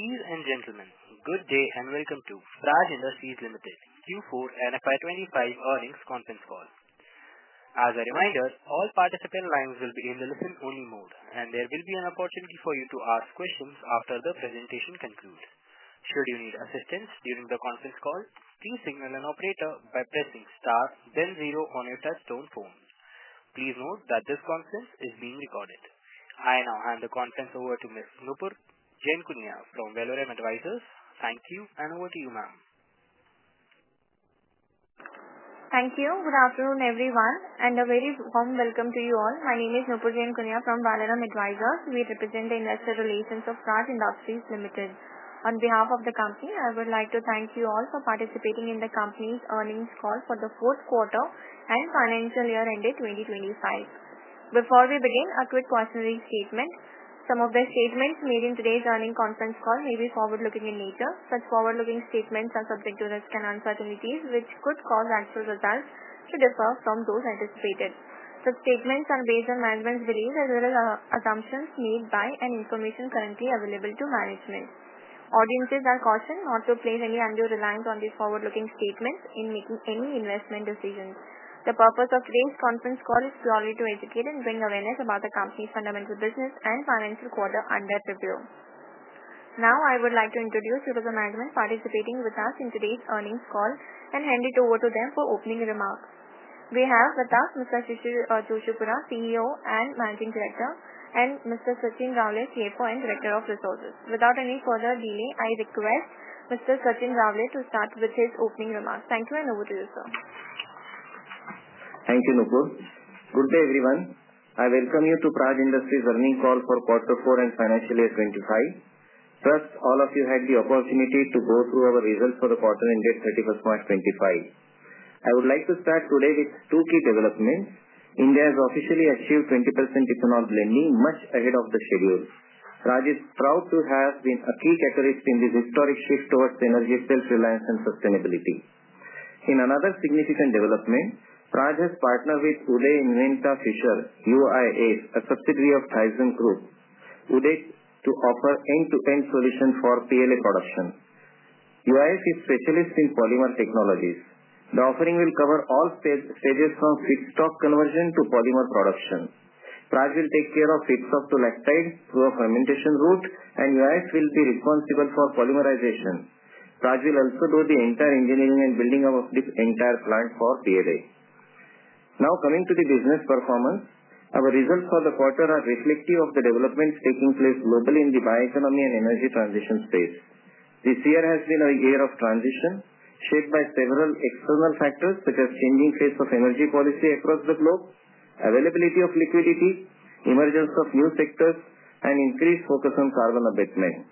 Ladies and gentlemen, good day and welcome to Praj Industries Limited Q4 and FY25 earnings conference call. As a reminder, all participant lines will be in the listen-only mode, and there will be an opportunity for you to ask questions after the presentation concludes. Should you need assistance during the conference call, please signal an operator by pressing star then zero on your touchstone phone. Please note that this conference is being recorded. I now hand the conference over to Ms. Nupur Jenkunia from Valorem Advisors. Thank you, and over to you, ma'am. Thank you. Good afternoon, everyone, and a very warm welcome to you all. My name is Nupur Jenkunia from Valorem Advisors. We represent the investor relations of Praj Industries Limited. On behalf of the company, I would like to thank you all for participating in the company's earnings call for the fourth quarter and financial year ended 2025. Before we begin, a quick cautionary statement. Some of the statements made in today's earnings conference call may be forward-looking in nature. Such forward-looking statements are subject to risk and uncertainties, which could cause actual results to differ from those anticipated. Such statements are based on management's beliefs as well as assumptions made by and information currently available to management. Audiences are cautioned not to place any undue reliance on these forward-looking statements in making any investment decisions. The purpose of today's conference call is purely to educate and bring awareness about the company's fundamental business and financial quarter under review. Now, I would like to introduce a few of the management participating with us in today's earnings call and hand it over to them for opening remarks. We have with us Mr. Shishir Joshipura, CEO and Managing Director, and Mr. Sachin Raole, CFO and Director of Resources. Without any further delay, I request Mr. Sachin Raole to start with his opening remarks. Thank you, and over to you, sir. Thank you, Nupur. Good day, everyone. I welcome you to Praj Industries' earnings call for quarter four and financial year 2025. First, all of you had the opportunity to go through our results for the quarter ended 31 March 2025. I would like to start today with two key developments. India has officially achieved 20% ethanol blending, much ahead of the schedule. Praj is proud to have been a key catalyst in this historic shift towards energy self-reliance and sustainability. In another significant development, Praj has partnered with Uday Inventa Fisher, UIF, a subsidiary of ThyssenKrupp, to offer end-to-end solutions for PLA production. UIF is specialized in polymer technologies. The offering will cover all stages from feedstock conversion to polymer production. Praj will take care of feedstock to lactate through a fermentation route, and UIF will be responsible for polymerization. Praj will also do the entire engineering and building of this entire plant for PLA. Now, coming to the business performance, our results for the quarter are reflective of the developments taking place globally in the bioeconomy and energy transition space. This year has been a year of transition shaped by several external factors such as changing pace of energy policy across the globe, availability of liquidity, emergence of new sectors, and increased focus on carbon abatement.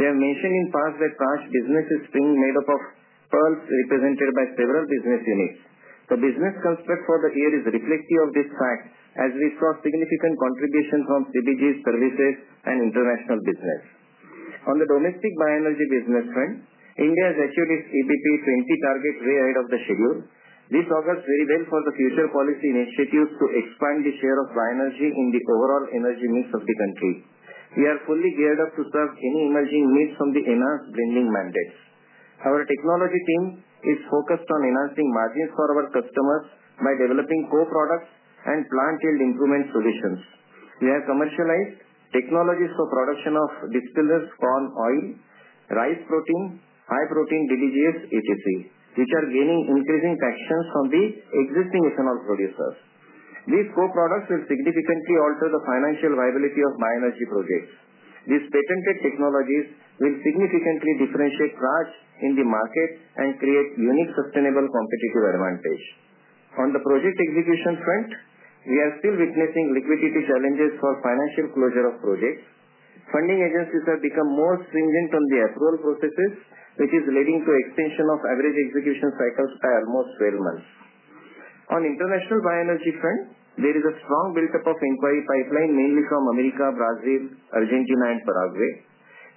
We have mentioned in past that Praj's business is being made up of pearls represented by several business units. The business construct for the year is reflective of this fact as we saw significant contributions from CBGs, services, and international business. On the domestic bioenergy business front, India has achieved its EBP 20 target way ahead of the schedule. This augurs very well for the future policy initiatives to expand the share of bioenergy in the overall energy mix of the country. We are fully geared up to serve any emerging needs from the enhanced blending mandates. Our technology team is focused on enhancing margins for our customers by developing co-products and plant-yield improvement solutions. We have commercialized technologies for production of distillers' corn oil, rice protein, high-protein DDGS, etc., which are gaining increasing traction from the existing ethanol producers. These co-products will significantly alter the financial viability of bioenergy projects. These patented technologies will significantly differentiate Praj in the market and create unique sustainable competitive advantage. On the project execution front, we are still witnessing liquidity challenges for financial closure of projects. Funding agencies have become more stringent on the approval processes, which is leading to extension of average execution cycles by almost 12 months. On the international bioenergy front, there is a strong build-up of inquiry pipeline mainly from America, Brazil, Argentina, and Paraguay.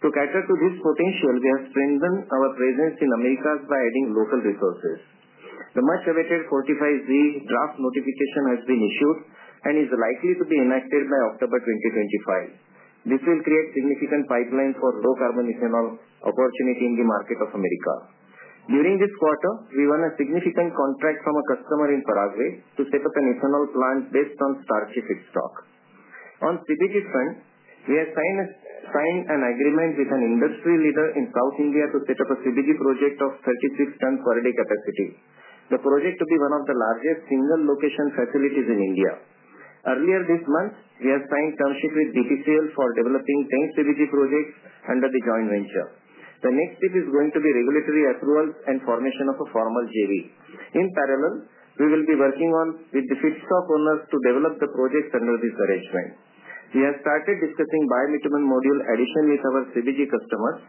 To cater to this potential, we have strengthened our presence in America by adding local resources. The much-awaited 45Z draft notification has been issued and is likely to be enacted by October 2025. This will create significant pipelines for low-carbon ethanol opportunity in the market of America. During this quarter, we won a significant contract from a customer in Paraguay to set up an ethanol plant based on starchy feedstock. On the CBG front, we have signed an agreement with an industry leader in South India to set up a CBG project of 36 tons per day capacity. The project will be one of the largest single-location facilities in India. Earlier this month, we have signed term sheet with DTCL for developing 10 CBG projects under the joint venture. The next step is going to be regulatory approvals and formation of a formal JV. In parallel, we will be working with the feedstock owners to develop the projects under this arrangement. We have started discussing biometabolism module addition with our CBG customers.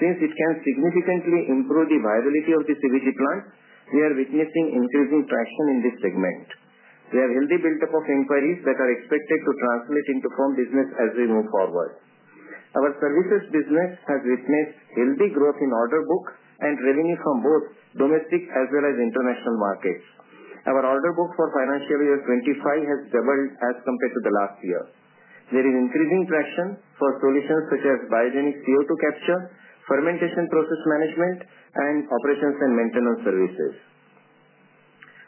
Since it can significantly improve the viability of the CBG plant, we are witnessing increasing traction in this segment. We have a healthy build-up of inquiries that are expected to translate into firm business as we move forward. Our services business has witnessed healthy growth in order book and revenue from both domestic as well as international markets. Our order book for financial year 2025 has doubled as compared to the last year. There is increasing traction for solutions such as biogenic CO2 capture, fermentation process management, and operations and maintenance services.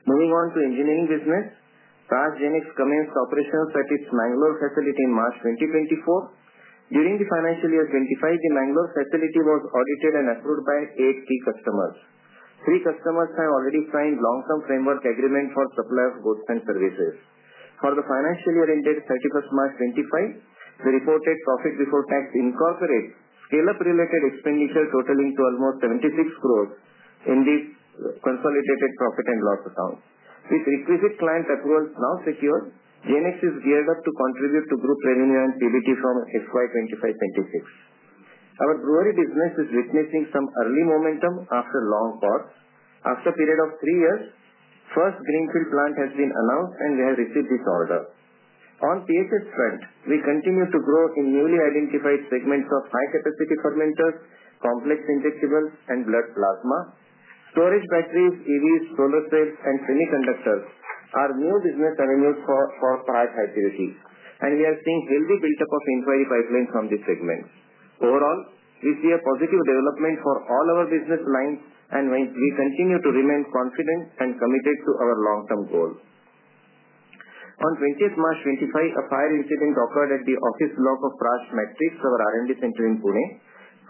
Moving on to engineering business, Praj Genex commenced operations at its Mangalore facility in March 2024. During the financial year 2025, the Mangalore facility was audited and approved by eight key customers. Three customers have already signed long-term framework agreement for supply of goods and services. For the financial year ended 31st March 2025, the reported profit before tax incorporates scale-up related expenditure totaling to almost 760,000,000 in the consolidated profit and loss account. With requisite client approvals now secured, Genex is geared up to contribute to group revenue and PBT from XY2526. Our brewery business is witnessing some early momentum after long pause. After a period of three years, the first greenfield plant has been announced, and we have received this order. On the PHS front, we continue to grow in newly identified segments of high-capacity fermenters, complex injectables, and blood plasma. Storage batteries, EVs, solar cells, and semiconductors are new business avenues for Praj activity, and we are seeing a healthy build-up of inquiry pipelines from these segments. Overall, we see a positive development for all our business lines, and we continue to remain confident and committed to our long-term goals. On 20th March 2025, a fire incident occurred at the office block of Praj Matrix, our R&D center in Pune.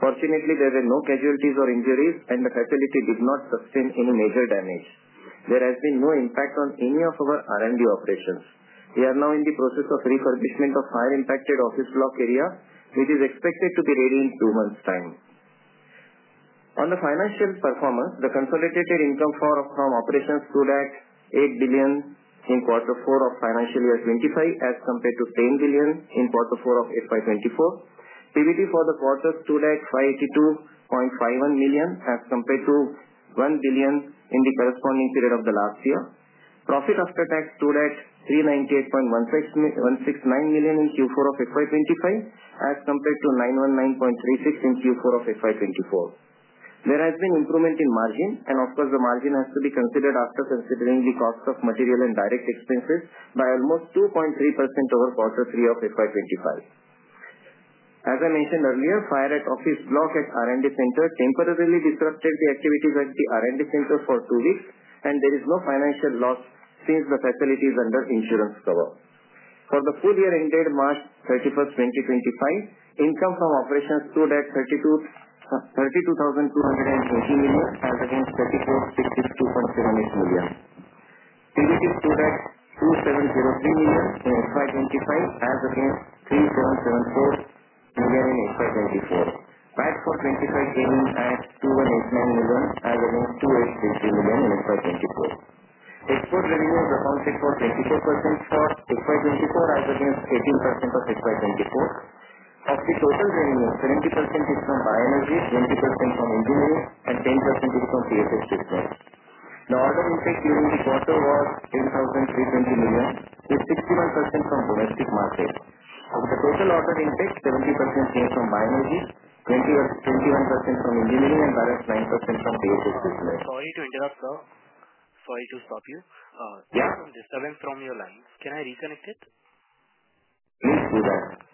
Fortunately, there were no casualties or injuries, and the facility did not sustain any major damage. There has been no impact on any of our R&D operations. We are now in the process of refurbishment of the highly impacted office block area, which is expected to be ready in two months' time. On the financial performance, the consolidated income for our operations stood at 8 billion in quarter four of financial year 2025 as compared to 10 billion in quarter four of 2024. PBT for the quarter stood at 582.51 million as compared to 1 billion in the corresponding period of the last year. Profit after tax stood at 398.169 million in Q4 of 2025 as compared to 919.36 million in Q4 of 2024. There has been improvement in margin, and of course, the margin has to be considered after considering the cost of material and direct expenses by almost 2.3% over quarter three of 2025. As I mentioned earlier, fire at the office block at the R&D center temporarily disrupted the activities at the R&D center for two weeks, and there is no financial loss since the facility is under insurance cover. For the full year ended March 31, 2025, income from operations stood at 32,280 million as against 34,662.78 million. PBT stood at 2,703 million in FY 2025 as against 3,774 million in FY 2024. PAT for 2025 came in at 2,189 million as against 2,850 million in FY 2024. Export revenue was accounted for 24% for FY 2025 as against 18% of FY 2024. Of the total revenue, 70% is from bioenergy, 20% from engineering, and 10% is from PHS business. The order intake during the quarter was INR 8,320 million, with 61% from domestic market. Of the total order intake, 70% came from bioenergy, 21% from engineering, and the other 9% from PHS business. Sorry to interrupt, sir. Sorry to stop you. Yeah. This is Awant from your line. Can I reconnect it? Please do that.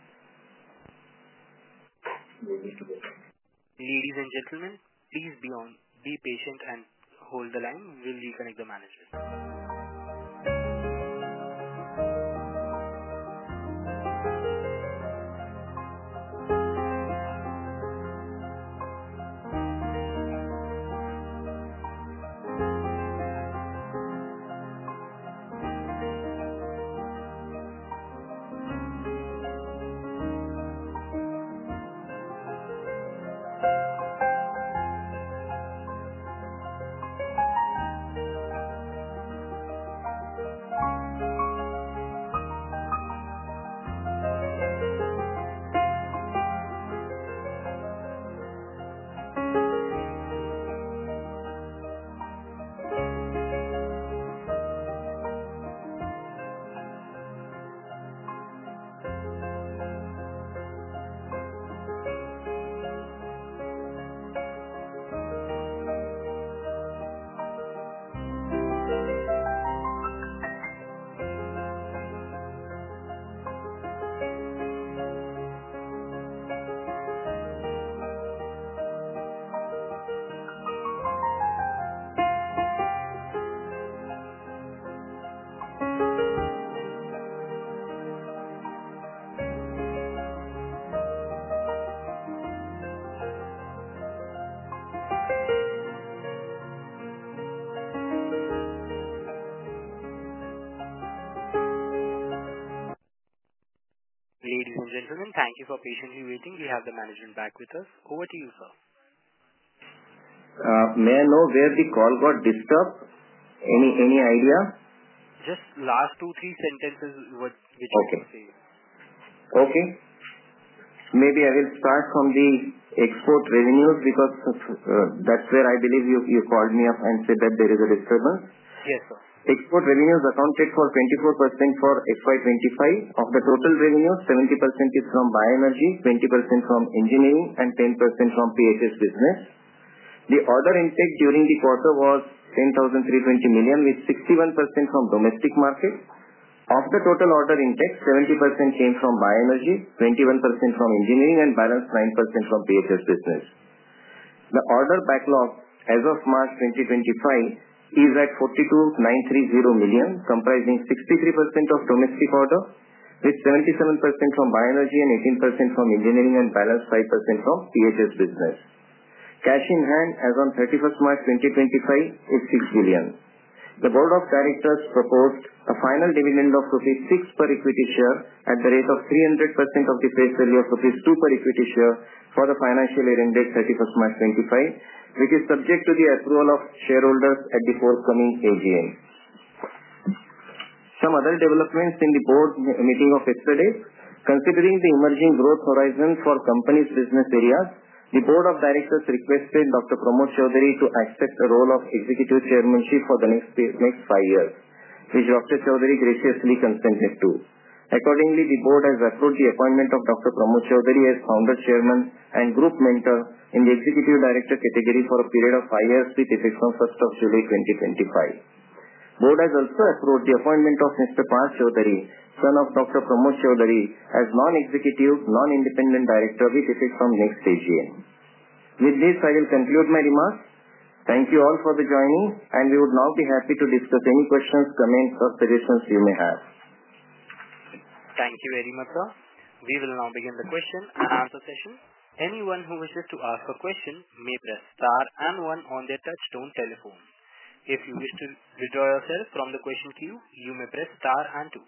Ladies and gentlemen, please be patient and hold the line. We'll reconnect the managers. Ladies and gentlemen, thank you for patiently waiting. We have the management back with us. Over to you, sir. May I know where the call got disturbed? Any idea? Just the last two, three sentences which I can say. Okay. Maybe I will start from the export revenues because that's where I believe you called me up and said that there is a disturbance. Yes, sir. Export revenues accounted for 24% for XY25. Of the total revenue, 70% is from bioenergy, 20% from engineering, and 10% from PHS business. The order intake during the quarter was 10,320 million, with 61% from domestic market. Of the total order intake, 70% came from bioenergy, 21% from engineering, and balanced 9% from PHS business. The order backlog as of March 2025 is at 42,930 million, comprising 63% of domestic order, with 77% from bioenergy and 18% from engineering, and balanced 5% from PHS business. Cash in hand as of 31st March 2025 is 6 billion. The Board of Directors proposed a final dividend of rupees 6 per equity share at the rate of 300% of the face value of rupees 2 per equity share for the financial year ended 31st March 2025, which is subject to the approval of shareholders at the forthcoming AGM. Some other developments in the board meeting of yesterday: considering the emerging growth horizon for companies' business areas, the Board of Directors requested Dr. Pramod Chaudhari to accept the role of Executive Chairmanship for the next five years, which Dr. Chaudhari graciously consented to. Accordingly, the Board has approved the appointment of Dr. Pramod Chaudhari as Founder Chairman and Group Mentor in the Executive Director category for a period of five years with effect from 1st of July 2025. The Board has also approved the appointment of Mr. Praj Chaudhary, son of Dr. Pramod Chaudhari, as Non-Executive, Non-Independent Director with effect from next AGM. With this, I will conclude my remarks. Thank you all for joining, and we would now be happy to discuss any questions, comments, or suggestions you may have. Thank you very much, sir. We will now begin the question and answer session. Anyone who wishes to ask a question may press star and one on their touchstone telephone. If you wish to withdraw yourself from the question queue, you may press star and two.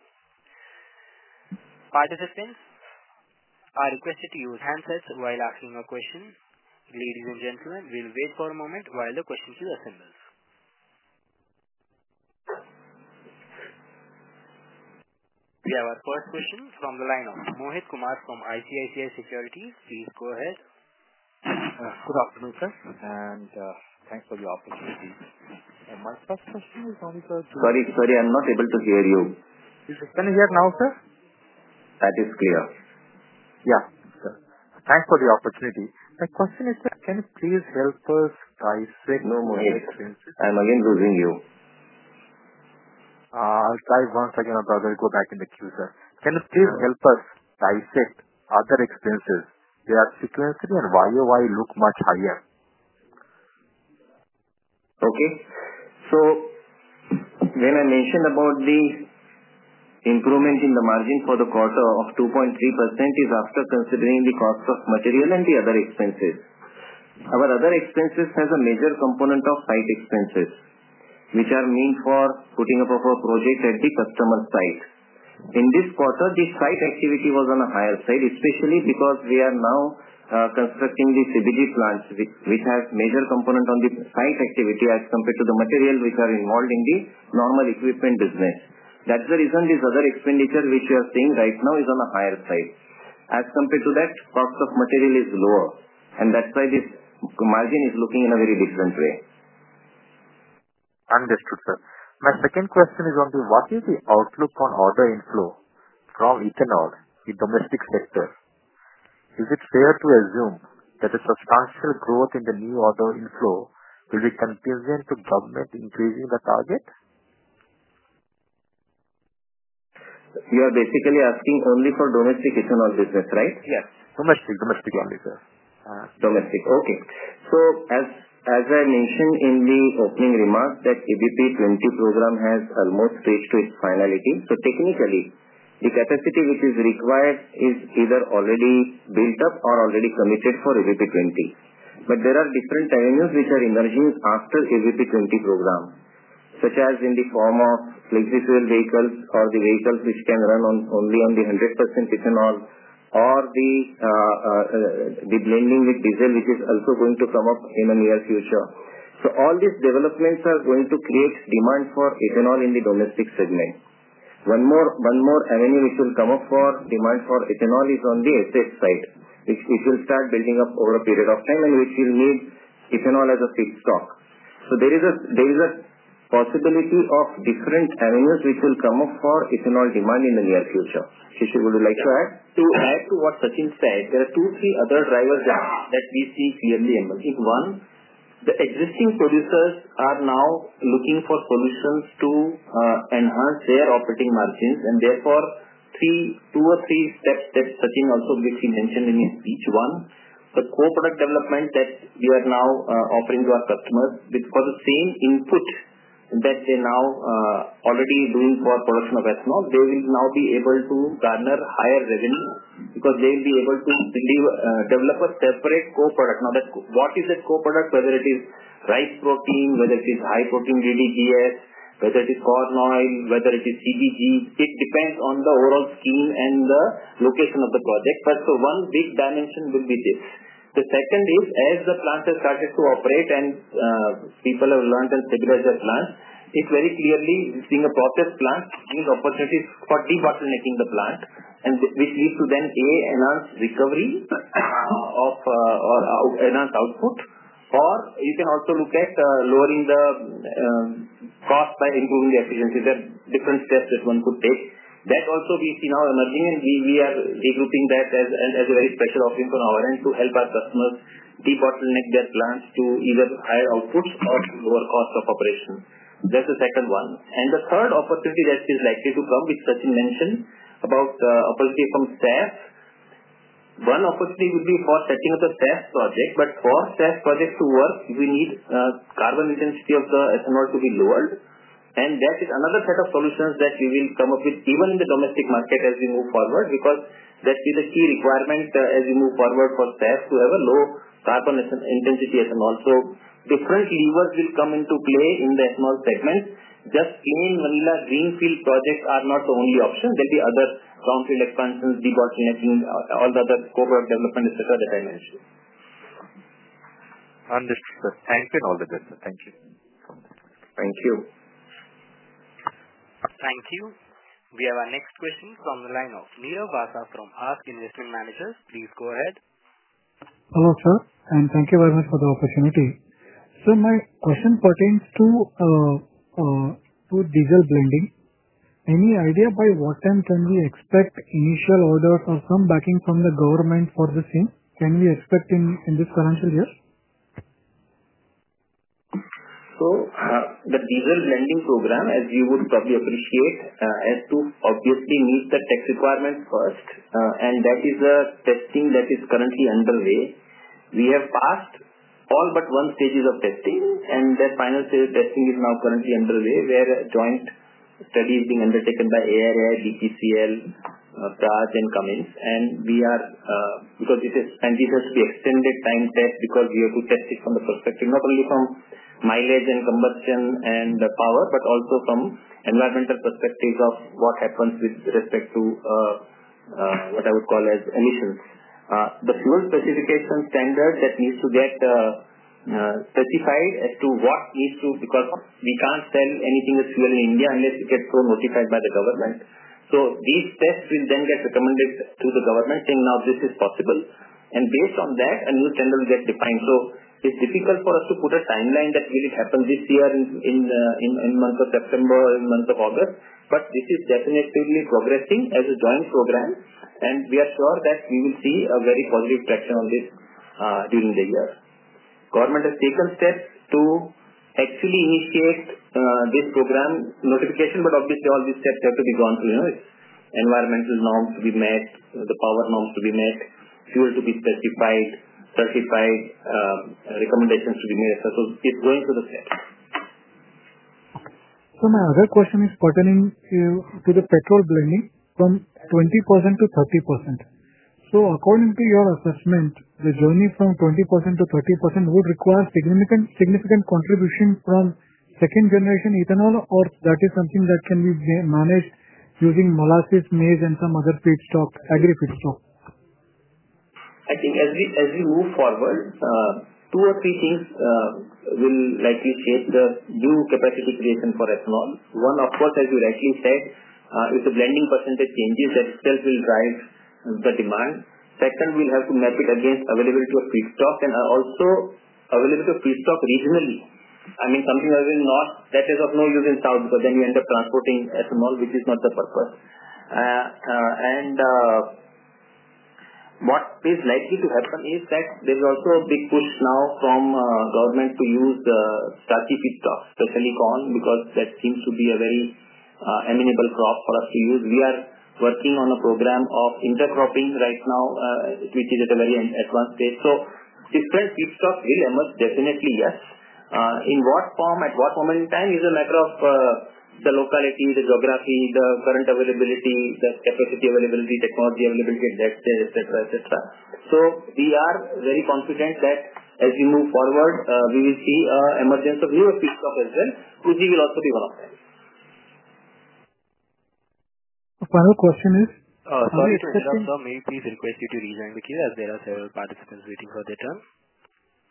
Participants are requested to use handsets while asking a question. Ladies and gentlemen, we'll wait for a moment while the question queue assembles. We have our first question from the line of Mohit Kumar from ICICI Securities. Please go ahead. Good afternoon, sir, and thanks for the opportunity. My first question is only for. Sorry, sorry, I'm not able to hear you. You can hear now, sir? That is clear. Yeah, sir. Thanks for the opportunity. My question is, can you please help us dissect? No, Mohit, I'm again losing you. I'll try once again, and I'll go back in the queue, sir. Can you please help us dissect other expenses? They are sequentially and year over year look much higher. Okay. When I mentioned about the improvement in the margin for the quarter of 2.3%, it is after considering the cost of material and the other expenses. Our other expenses have a major component of site expenses, which are meant for putting up a project at the customer's site. In this quarter, the site activity was on a higher side, especially because we are now constructing the CBG plants, which have a major component on the site activity as compared to the material which is involved in the normal equipment business. That is the reason this other expenditure, which we are seeing right now, is on a higher side. As compared to that, the cost of material is lower, and that is why this margin is looking in a very different way. Understood, sir. My second question is only what is the outlook on order inflow from ethanol in the domestic sector? Is it fair to assume that a substantial growth in the new order inflow will be contingent to government increasing the target? You are basically asking only for domestic ethanol business, right? Yes. Domestic, domestic only, sir. Domestic, okay. As I mentioned in the opening remarks, the EBP 20 program has almost reached its finality. Technically, the capacity which is required is either already built up or already committed for EBP 20. There are different avenues which are emerging after the EBP 20 program, such as in the form of flexible vehicles or vehicles which can run only on 100% ethanol or the blending with diesel, which is also going to come up in the near future. All these developments are going to create demand for ethanol in the domestic segment. One more avenue which will come up for demand for ethanol is on the SS side, which will start building up over a period of time and which will need ethanol as a feedstock. There is a possibility of different avenues which will come up for ethanol demand in the near future. Shishir, would you like to add? To add to what Sachin said, there are two, three other drivers that we see clearly emerging. One, the existing producers are now looking for solutions to enhance their operating margins, and therefore two or three steps that Sachin also briefly mentioned in his speech. One, the co-product development that we are now offering to our customers for the same input that they are now already doing for production of ethanol, they will now be able to garner higher revenue because they will be able to develop a separate co-product. Now, what is that co-product? Whether it is rice protein, whether it is high-protein DDGS, whether it is distillers' corn oil, whether it is CBG, it depends on the overall scheme and the location of the project. The one big dimension will be this. The second is, as the plant has started to operate and people have learned and stabilized their plants, it very clearly, being a processed plant, means opportunities for de-bottlenecking the plant, which leads to then, A, enhanced recovery or enhanced output, or you can also look at lowering the cost by improving the efficiency. There are different steps that one could take. That also we see now emerging, and we are regrouping that as a very special offering from our end to help our customers de-bottleneck their plants to either higher outputs or lower cost of operation. That is the second one. The third opportunity that is likely to come, which Sachin mentioned about opportunity from SAF, one opportunity would be for setting up a SAF project. For SAF project to work, we need carbon intensity of the ethanol to be lowered, and that is another set of solutions that we will come up with even in the domestic market as we move forward because that will be the key requirement as we move forward for SAF to have a low carbon intensity ethanol. Different levers will come into play in the ethanol segment. Just plain Manila Greenfield projects are not the only option. There will be other groundfield expansions, de-bottlenecking, all the other co-product development, etc., that I mentioned. Understood, sir. Thank you and all the best, sir. Thank you. Thank you. Thank you. We have our next question from the line of Neerav Bhadkam from Ask Investment Managers. Please go ahead. Hello, sir, and thank you very much for the opportunity. Sir, my question pertains to diesel blending. Any idea by what time can we expect initial orders or some backing from the government for the same? Can we expect in this financial year? The diesel blending program, as you would probably appreciate, has to obviously meet the tax requirements first, and that is a testing that is currently underway. We have passed all but one stages of testing, and the final stage of testing is now currently underway where a joint study is being undertaken by ARI, BPCL, Praj, and Cummins. We are, because this is a spend, this has to be extended time test because we have to test it from the perspective, not only from mileage and combustion and power, but also from environmental perspectives of what happens with respect to what I would call as emissions. The fuel specification standard that needs to get specified as to what needs to, because we can't sell anything as fuel in India unless it gets so notified by the government. These tests will then get recommended to the government saying, "Now, this is possible." Based on that, a new standard will get defined. It's difficult for us to put a timeline that will happen this year in the month of September or in the month of August, but this is definitely progressing as a joint program, and we are sure that we will see a very positive traction on this during the year. Government has taken steps to actually initiate this program notification, but obviously, all these steps have to be gone through. Environmental norms to be met, the power norms to be met, fuel to be specified, certified, recommendations to be made. It's going through the steps. My other question is pertaining to the petrol blending from 20%-30%. According to your assessment, the journey from 20%-30% would require significant contribution from second-generation ethanol, or that is something that can be managed using molasses, maize, and some other feedstock, agri feedstock? I think as we move forward, two or three things will likely shape the new capacity creation for ethanol. One, of course, as you rightly said, if the blending percentage changes, that itself will drive the demand. Second, we'll have to map it against availability of feedstock and also availability of feedstock regionally. I mean, something that will not, that is of no use in south, because then you end up transporting ethanol, which is not the purpose. What is likely to happen is that there is also a big push now from government to use starchy feedstocks, especially corn, because that seems to be a very amenable crop for us to use. We are working on a program of intercropping right now, which is at a very advanced stage. So different feedstocks will emerge, definitely, yes. In what form, at what moment in time, is a matter of the locality, the geography, the current availability, the capacity availability, technology availability, etc., etc., etc. We are very confident that as we move forward, we will see an emergence of newer feedstock as well, which will also be one of them. My final question is. sorry, it's the turn, sir. May we please request you to rejoin the queue as there are several participants waiting for their turn.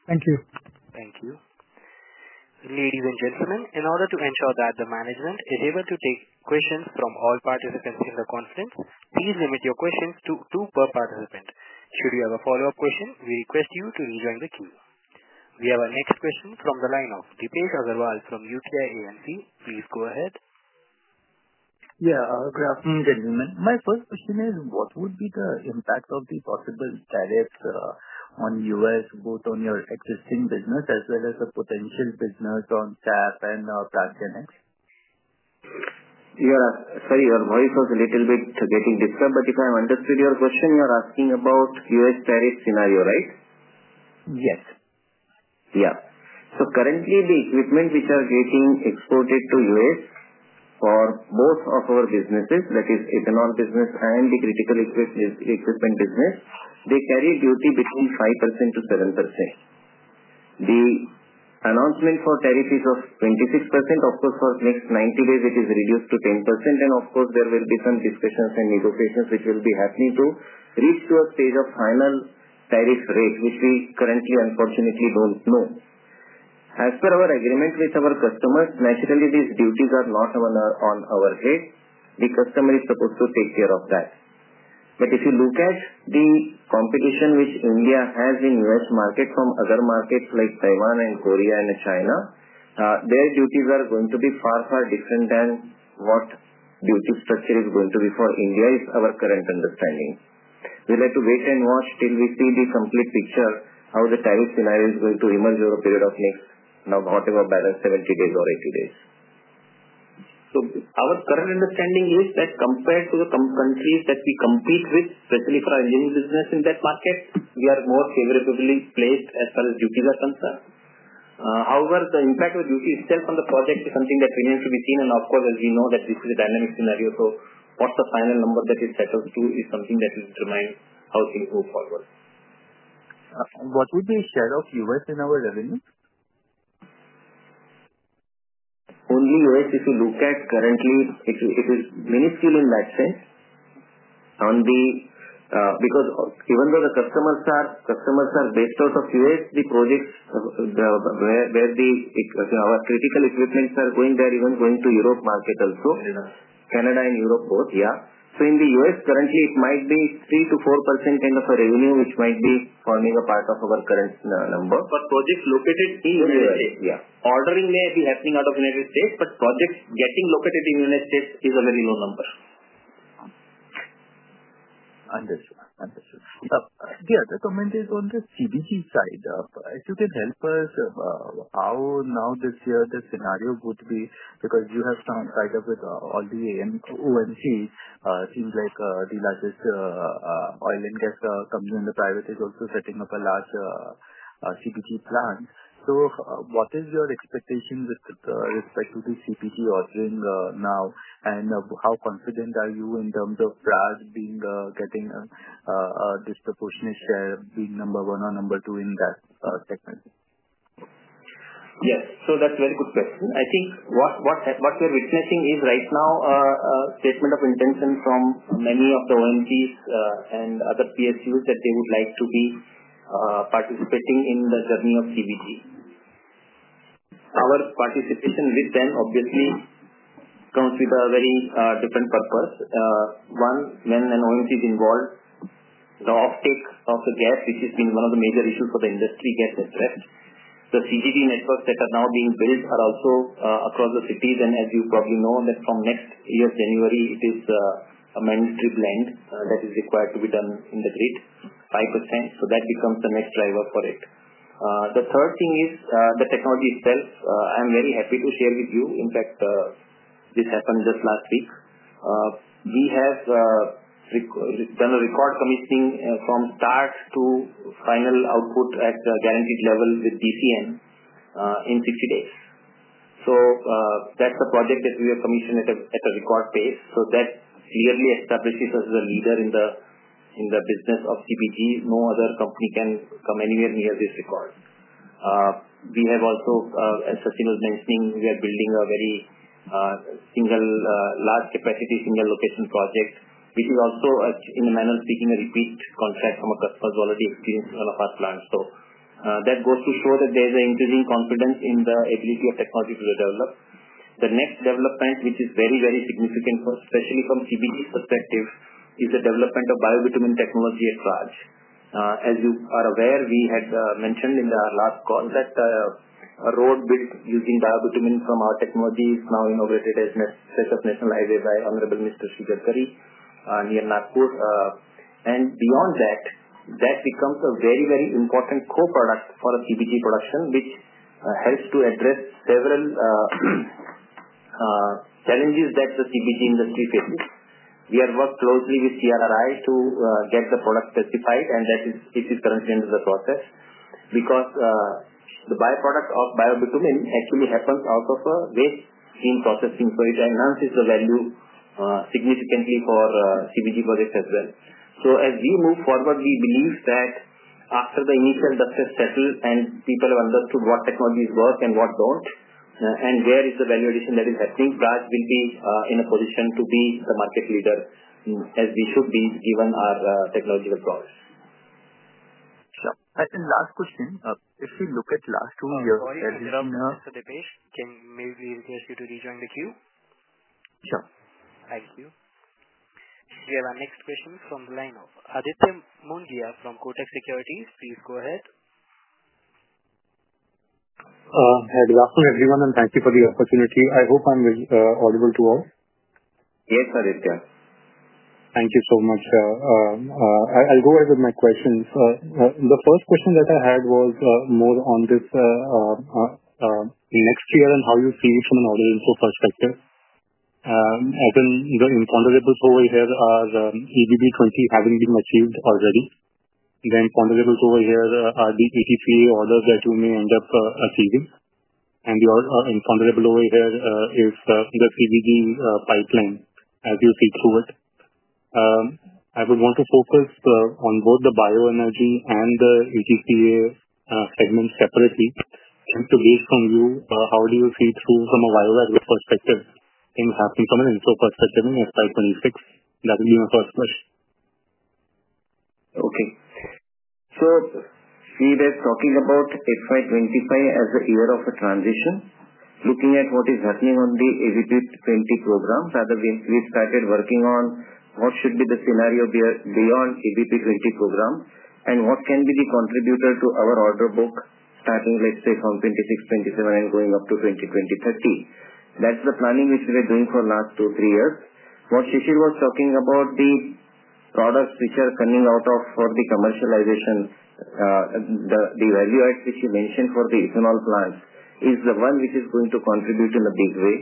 Thank you. Thank you. Ladies and gentlemen, in order to ensure that the management is able to take questions from all participants in the conference, please limit your questions to two per participant. Should you have a follow-up question, we request you to rejoin the queue. We have our next question from the line of Dipesh Agarwal from UTI AMC. Please go ahead. Yeah, good afternoon, gentlemen. My first question is, what would be the impact of the possible tariffs on U.S., both on your existing business as well as the potential business on SAF and Praj Annex? Sorry, your voice was a little bit getting disturbed, but if I understood your question, you are asking about US tariff scenario, right? Yes. Yeah. Currently, the equipment which are getting exported to the US for both of our businesses, that is ethanol business and the critical equipment business, they carry duty between 5%-7%. The announcement for tariff is of 26%. Of course, for the next 90 days, it is reduced to 10%, and of course, there will be some discussions and negotiations which will be happening to reach to a stage of final tariff rate, which we currently, unfortunately, do not know. As per our agreement with our customers, naturally, these duties are not on our head. The customer is supposed to take care of that. If you look at the competition which India has in the US market from other markets like Taiwan and Korea and China, their duties are going to be far, far different than what duty structure is going to be for India, is our current understanding. We'll have to wait and watch till we see the complete picture of how the tariff scenario is going to emerge over a period of next, now, whatever, balance, 70 days or 80 days. Our current understanding is that compared to the countries that we compete with, especially for our engineering business in that market, we are more favorably placed as far as duties are concerned. However, the impact of duty itself on the project is something that remains to be seen, and of course, as we know that this is a dynamic scenario, what the final number that is set out to is something that will determine how things move forward. What would be the share of U.S. in our revenue? Only U.S., if you look at currently, it is minuscule in that sense. Because even though the customers are based out of the U.S., the projects where our critical equipment are going, they are even going to the Europe market also. Canada. Canada and Europe both, yeah. In the U.S., currently, it might be 3%-4% kind of a revenue which might be forming a part of our current number. Projects located in the United States. Yeah, yeah. Ordering may be happening out of the U.S., but projects getting located in the U.S. is a very low number. Understood, understood. The other comment is on the CBG side. If you can help us, how now this year the scenario would be because you have come side up with all the OMC, seems like the largest oil and gas company in the private is also setting up a large CBG plant. What is your expectation with respect to the CBG ordering now, and how confident are you in terms of Praj being getting a disproportionate share, being number one or number two in that segment? Yes, that's a very good question. I think what we are witnessing is right now a statement of intention from many of the OMCs and other PSUs that they would like to be participating in the journey of CBG. Our participation with them, obviously, comes with a very different purpose. One, when an OMC is involved, the offtake of the gas, which has been one of the major issues for the industry, gets addressed. The CGD networks that are now being built are also across the cities, and as you probably know, from next year's January, it is a mandatory blend that is required to be done in the grid, 5%. That becomes the next driver for it. The third thing is the technology itself. I'm very happy to share with you. In fact, this happened just last week. We have done a record commissioning from start to final output at the guaranteed level with DCN in 60 days. That is a project that we have commissioned at a record pace. That clearly establishes us as a leader in the business of CBG. No other company can come anywhere near this record. We have also, as Sachin was mentioning, we are building a very single large capacity, single location project, which is also, in a manner of speaking, a repeat contract from a customer who has already experienced one of our plants. That goes to show that there is an increasing confidence in the ability of technology to develop. The next development, which is very, very significant, especially from CBG's perspective, is the development of biobitumin technology at Praj. As you are aware, we had mentioned in our last call that a road built using biobitumin from our technology is now inaugurated as the success of National Highway by Honorable Mr. Sri Gadkari near Nagpur. That becomes a very, very important co-product for CBG production, which helps to address several challenges that the CBG industry faces. We have worked closely with CRRI to get the product specified, and that is currently under the process because the byproduct of biobitumin actually happens out of waste stream processing. It enhances the value significantly for CBG projects as well. As we move forward, we believe that after the initial dust has settled and people have understood what technologies work and what do not and where is the value addition that is happening, Praj will be in a position to be the market leader as we should be given our technological prowess. Sure. Last question, if we look at last two years' earnings now. Sorry, Mr. Dipesh, can maybe request you to rejoin the queue? Sure. Thank you. We have our next question from the line of Aditya Mongia from Kotak Securities. Please go ahead. Hey, good afternoon, everyone, and thank you for the opportunity. I hope I'm audible to all. Yes, Aditya. Thank you so much. I'll go ahead with my questions. The first question that I had was more on this next year and how you see it from an audit info perspective. As in the imponderables over here are EBP 20 having been achieved already. The imponderables over here are the ETCA orders that you may end up achieving. The imponderable over here is the CBG pipeline, as you see through it. I would want to focus on both the bioenergy and the ETCA segment separately. Just to gauge from you, how do you see through from a bioagro perspective things happening from an info perspective in FY 2026? That would be my first question. Okay. We were talking about FY25 as a year of transition, looking at what is happening on the EBP 20 program. Rather, we started working on what should be the scenario beyond the EBP 20 program and what can be the contributor to our order book starting, let's say, from 2026, 2027, and going up to 2030. That is the planning which we were doing for the last two, three years. What Shishir was talking about, the products which are coming out for the commercialization, the value add which you mentioned for the ethanol plants, is the one which is going to contribute in a big way.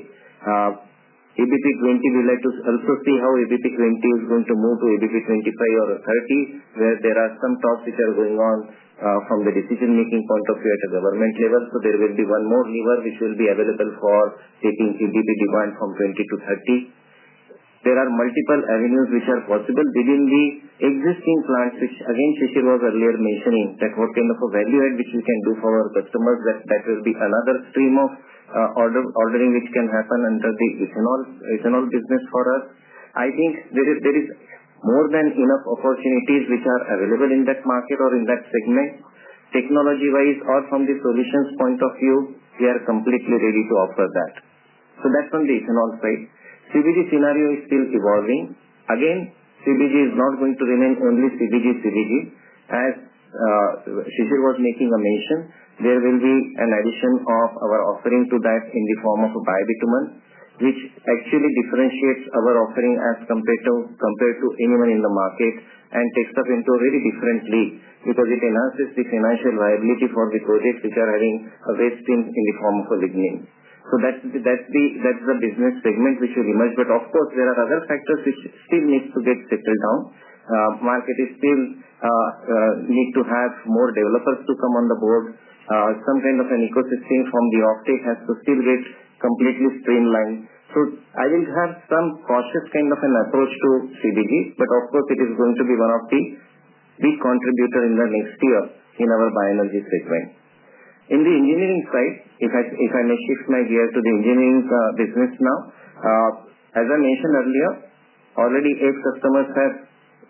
EBP 20, we like to also see how EBP 20 is going to move to EBP 25 or 30, where there are some talks which are going on from the decision-making point of view at a government level. There will be one more lever which will be available for taking EBB demand from 20-30. There are multiple avenues which are possible within the existing plants, which, again, Shishir was earlier mentioning, that what kind of a value add which we can do for our customers, that that will be another stream of ordering which can happen under the ethanol business for us. I think there is more than enough opportunities which are available in that market or in that segment, technology-wise, or from the solutions point of view, we are completely ready to offer that. That is on the ethanol side. CBG scenario is still evolving. Again, CBG is not going to remain only CBG, CBG. As Shishir was making a mention, there will be an addition of our offering to that in the form of biobitumin, which actually differentiates our offering as compared to anyone in the market and takes us into a very different league because it enhances the financial viability for the projects which are having a waste stream in the form of a lignin. That is the business segment which will emerge. Of course, there are other factors which still need to get settled down. Market still needs to have more developers to come on the board. Some kind of an ecosystem from the offtake has to still get completely streamlined. I will have some cautious kind of an approach to CBG, but of course, it is going to be one of the big contributors in the next year in our bioenergy segment. In the engineering side, if I may shift my gear to the engineering business now, as I mentioned earlier, already eight customers have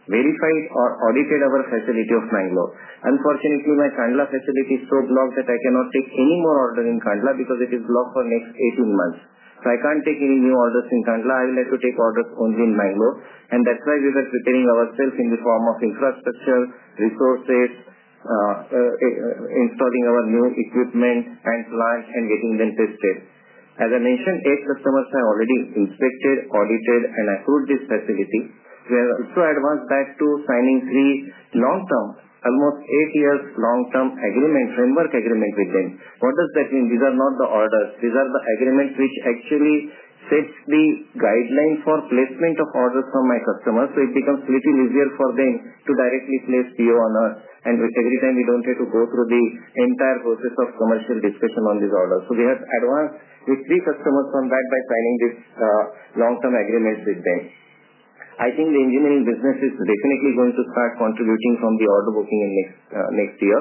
verified or audited our facility of Mangalore. Unfortunately, my Kandla facility is so blocked that I cannot take any more orders in Kandla because it is blocked for the next 18 months. I can't take any new orders in Kandla. I will have to take orders only in Mangalore. That is why we were preparing ourselves in the form of infrastructure, resources, installing our new equipment and plants and getting them tested. As I mentioned, eight customers have already inspected, audited, and approved this facility. We have also advanced that to signing three long-term, almost eight years long-term agreement, framework agreement with them. What does that mean? These are not the orders. These are the agreements which actually set the guideline for placement of orders from my customers. It becomes a little easier for them to directly place PO on us, and every time we do not have to go through the entire process of commercial discussion on these orders. We have advanced with three customers on that by signing these long-term agreements with them. I think the engineering business is definitely going to start contributing from the order booking in next year.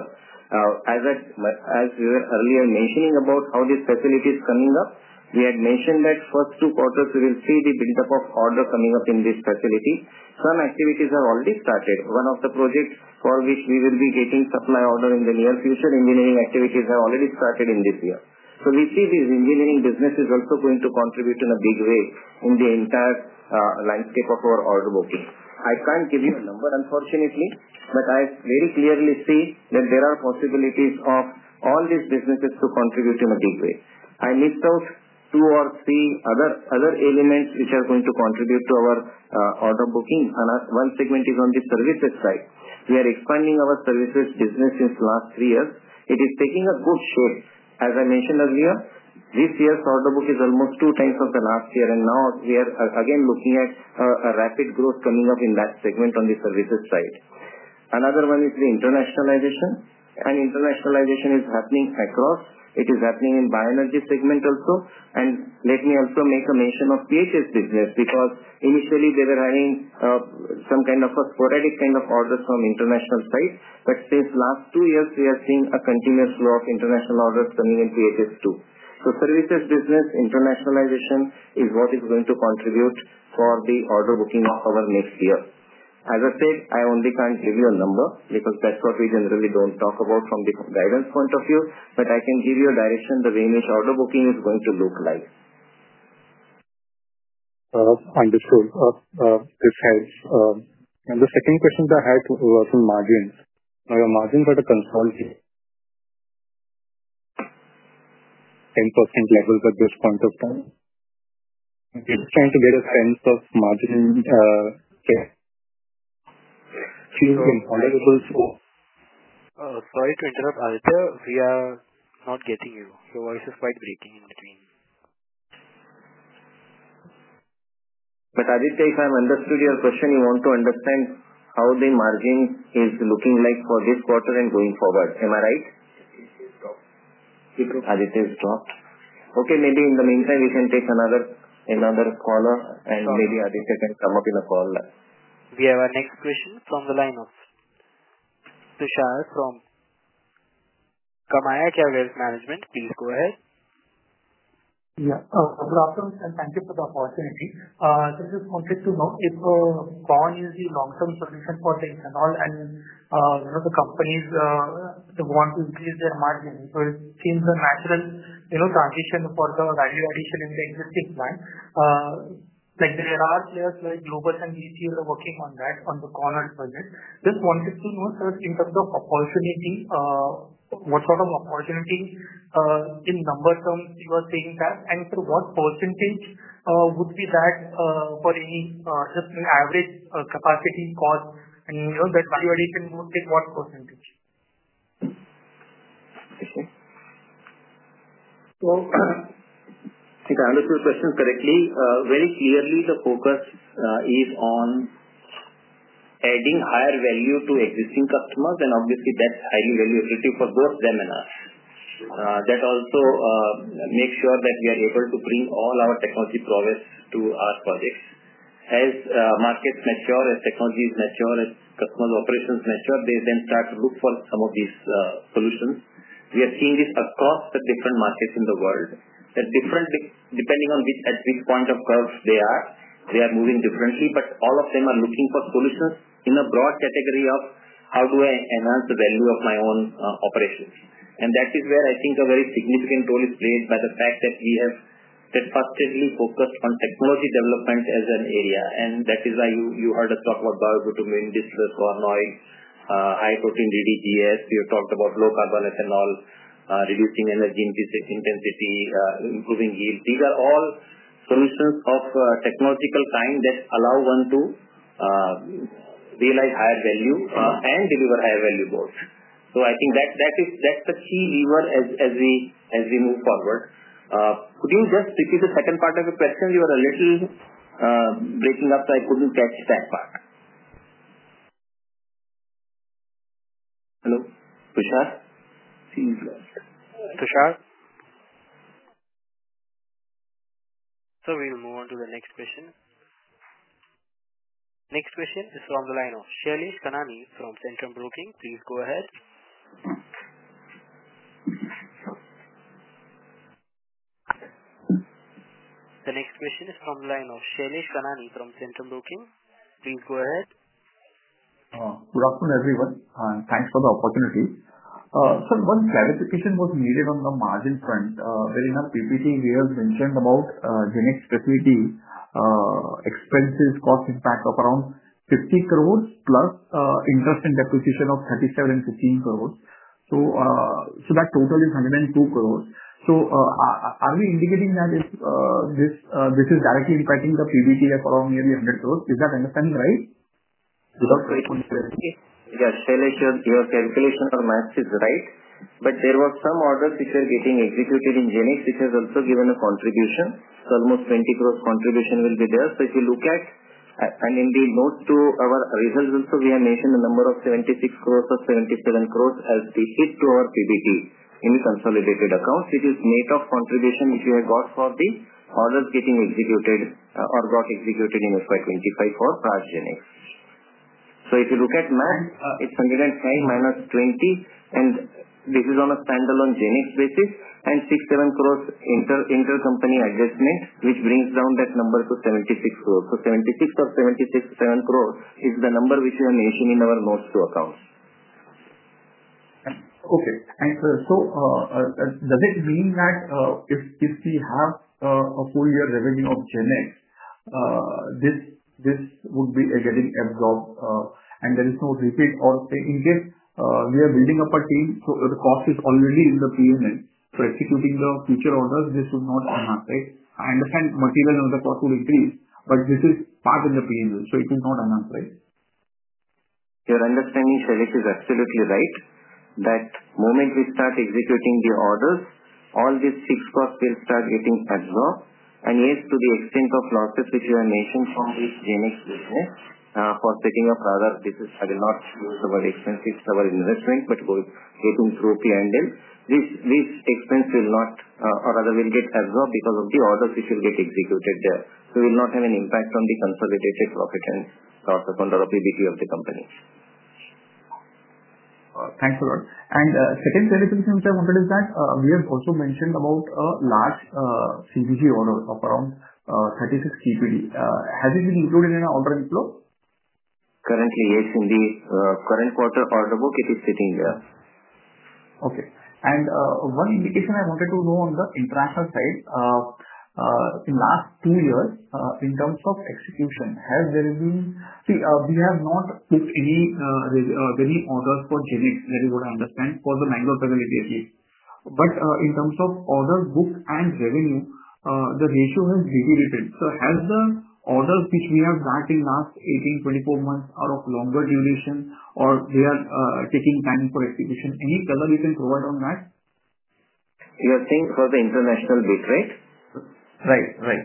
As we were earlier mentioning about how this facility is coming up, we had mentioned that first two quarters, we will see the build-up of orders coming up in this facility. Some activities have already started. One of the projects for which we will be getting supply orders in the near future, engineering activities have already started in this year. We see this engineering business is also going to contribute in a big way in the entire landscape of our order booking. I can't give you a number, unfortunately, but I very clearly see that there are possibilities of all these businesses to contribute in a big way. I missed out two or three other elements which are going to contribute to our order booking. One segment is on the services side. We are expanding our services business since the last three years. It is taking a good shape. As I mentioned earlier, this year's order book is almost two times of the last year, and now we are again looking at a rapid growth coming up in that segment on the services side. Another one is the internationalization, and internationalization is happening across. It is happening in the bioenergy segment also. Let me also make a mention of PHS business because initially, they were having some kind of a sporadic kind of orders from the international side, but since the last two years, we are seeing a continuous flow of international orders coming in PHS too. Services business, internationalization is what is going to contribute for the order booking of our next year. As I said, I only can't give you a number because that's what we generally don't talk about from the guidance point of view, but I can give you a direction the way in which order booking is going to look like. Understood. This helps. The second question that I had was on margins. Now, your margins are a consolidated 10% level at this point of time. Just trying to get a sense of margin shifting imponderables for. Sorry to interrupt, Aditya. We are not getting you. Your voice is quite breaking in between. Aditya, if I've understood your question, you want to understand how the margin is looking like for this quarter and going forward. Am I right? Aditya is dropped. Aditya is dropped. Okay, maybe in the meantime, we can take another caller, and maybe Aditya can come up in a call. We have our next question from the line of Tushar from Kamaya Chair Wealth Management. Please go ahead. Yeah, good afternoon, and thank you for the opportunity. I just wanted to know if corn is the long-term solution for the ethanol, and the companies want to increase their margin. It seems a natural transition for the value addition in the existing plant. There are players like Globus Spirits and BPCL are working on that on the corn-based projects. Just wanted to know, sir, in terms of opportunity, what sort of opportunity in number terms you are seeing that? What percentage would be that for just an average capacity cost? That value addition would take what percentage? If I understood the question correctly, very clearly, the focus is on adding higher value to existing customers, and obviously, that's highly value-attractive for both them and us. That also makes sure that we are able to bring all our technology progress to our projects. As markets mature, as technologies mature, as customer operations mature, they then start to look for some of these solutions. We are seeing this across the different markets in the world. Depending on at which point of growth they are, they are moving differently, but all of them are looking for solutions in a broad category of how do I enhance the value of my own operations. That is where I think a very significant role is played by the fact that we have steadfastly focused on technology development as an area. That is why you heard us talk about biobitumin, distillers' corn oil, high-protein DDGS. We have talked about low-carbon ethanol, reducing energy intensity, improving yield. These are all solutions of technological kind that allow one to realize higher value and deliver higher value both. I think that's the key lever as we move forward. Could you just repeat the second part of your question? You were a little breaking up, so I couldn't catch that part. Hello? Tushar? Tushar? We will move on to the next question. The next question is from the line of Shailesh Kanani from Centrum Broking. Please go ahead. The next question is from the line of Shailesh Kanani from Centrum Broking. Please go ahead. Good afternoon, everyone. Thanks for the opportunity. Sir, one clarification was needed on the margin front. Vareena PPT, we have mentioned about the next facility expenses, cost impact of around 500 million plus interest and deposition of 370 million and 150 million. That total is 1,020 million. Are we indicating that this is directly impacting the PBT of around nearly 1,000 million? Is that understanding right? Yes, Shailesh, your calculation or math is right, but there were some orders which were getting executed in Genex, which has also given a contribution. Almost 20 crore contribution will be there. If you look at, and in the note to our results also, we have mentioned the number of 76 crore or 77 crore as the hit to our PBT in the consolidated accounts. It is net of contribution which we have got for the orders getting executed or got executed in FY 2025 for Praj Genex. If you look at math, it is 105 crore minus 20 crore, and this is on a standalone Genex basis, and 67 crore intercompany adjustment, which brings down that number to 76 crore. 76 crore or 77 crore is the number which we have mentioned in our notes to accounts. Okay. Does it mean that if we have a full year revenue of Genex, this would be getting absorbed and there is no repeat? In case we are building up a team, the cost is already in the P&L, so executing the future orders, this would not enhance, right? I understand material and the cost would increase, but this is part in the P&L, so it will not enhance, right? Your understanding, Shailesh, is absolutely right. The moment we start executing the orders, all these fixed costs will start getting absorbed. Yes, to the extent of losses which you have mentioned from this Genex business for setting up other, this is, I will not use the word expense, it's our investment, but getting through P&L, these expense will not, or rather will get absorbed because of the orders which will get executed there. It will not have an impact on the consolidated profit and loss account or PBT of the company. Thanks a lot. The second clarification which I wanted is that we have also mentioned about a large CBG order of around 36 TPD. Has it been included in an order inflow? Currently, yes, in the current quarter order book, it is sitting there. Okay. One indication I wanted to know on the international side, in the last two years, in terms of execution, has there been? See, we have not booked any orders for Genex, that is what I understand, for the Mangalore facility at least. In terms of orders booked and revenue, the ratio has deviated. Has the orders which we have got in the last 18-24 months are of longer duration, or they are taking time for execution? Any color you can provide on that? You are saying for the international bit rate? Right, right.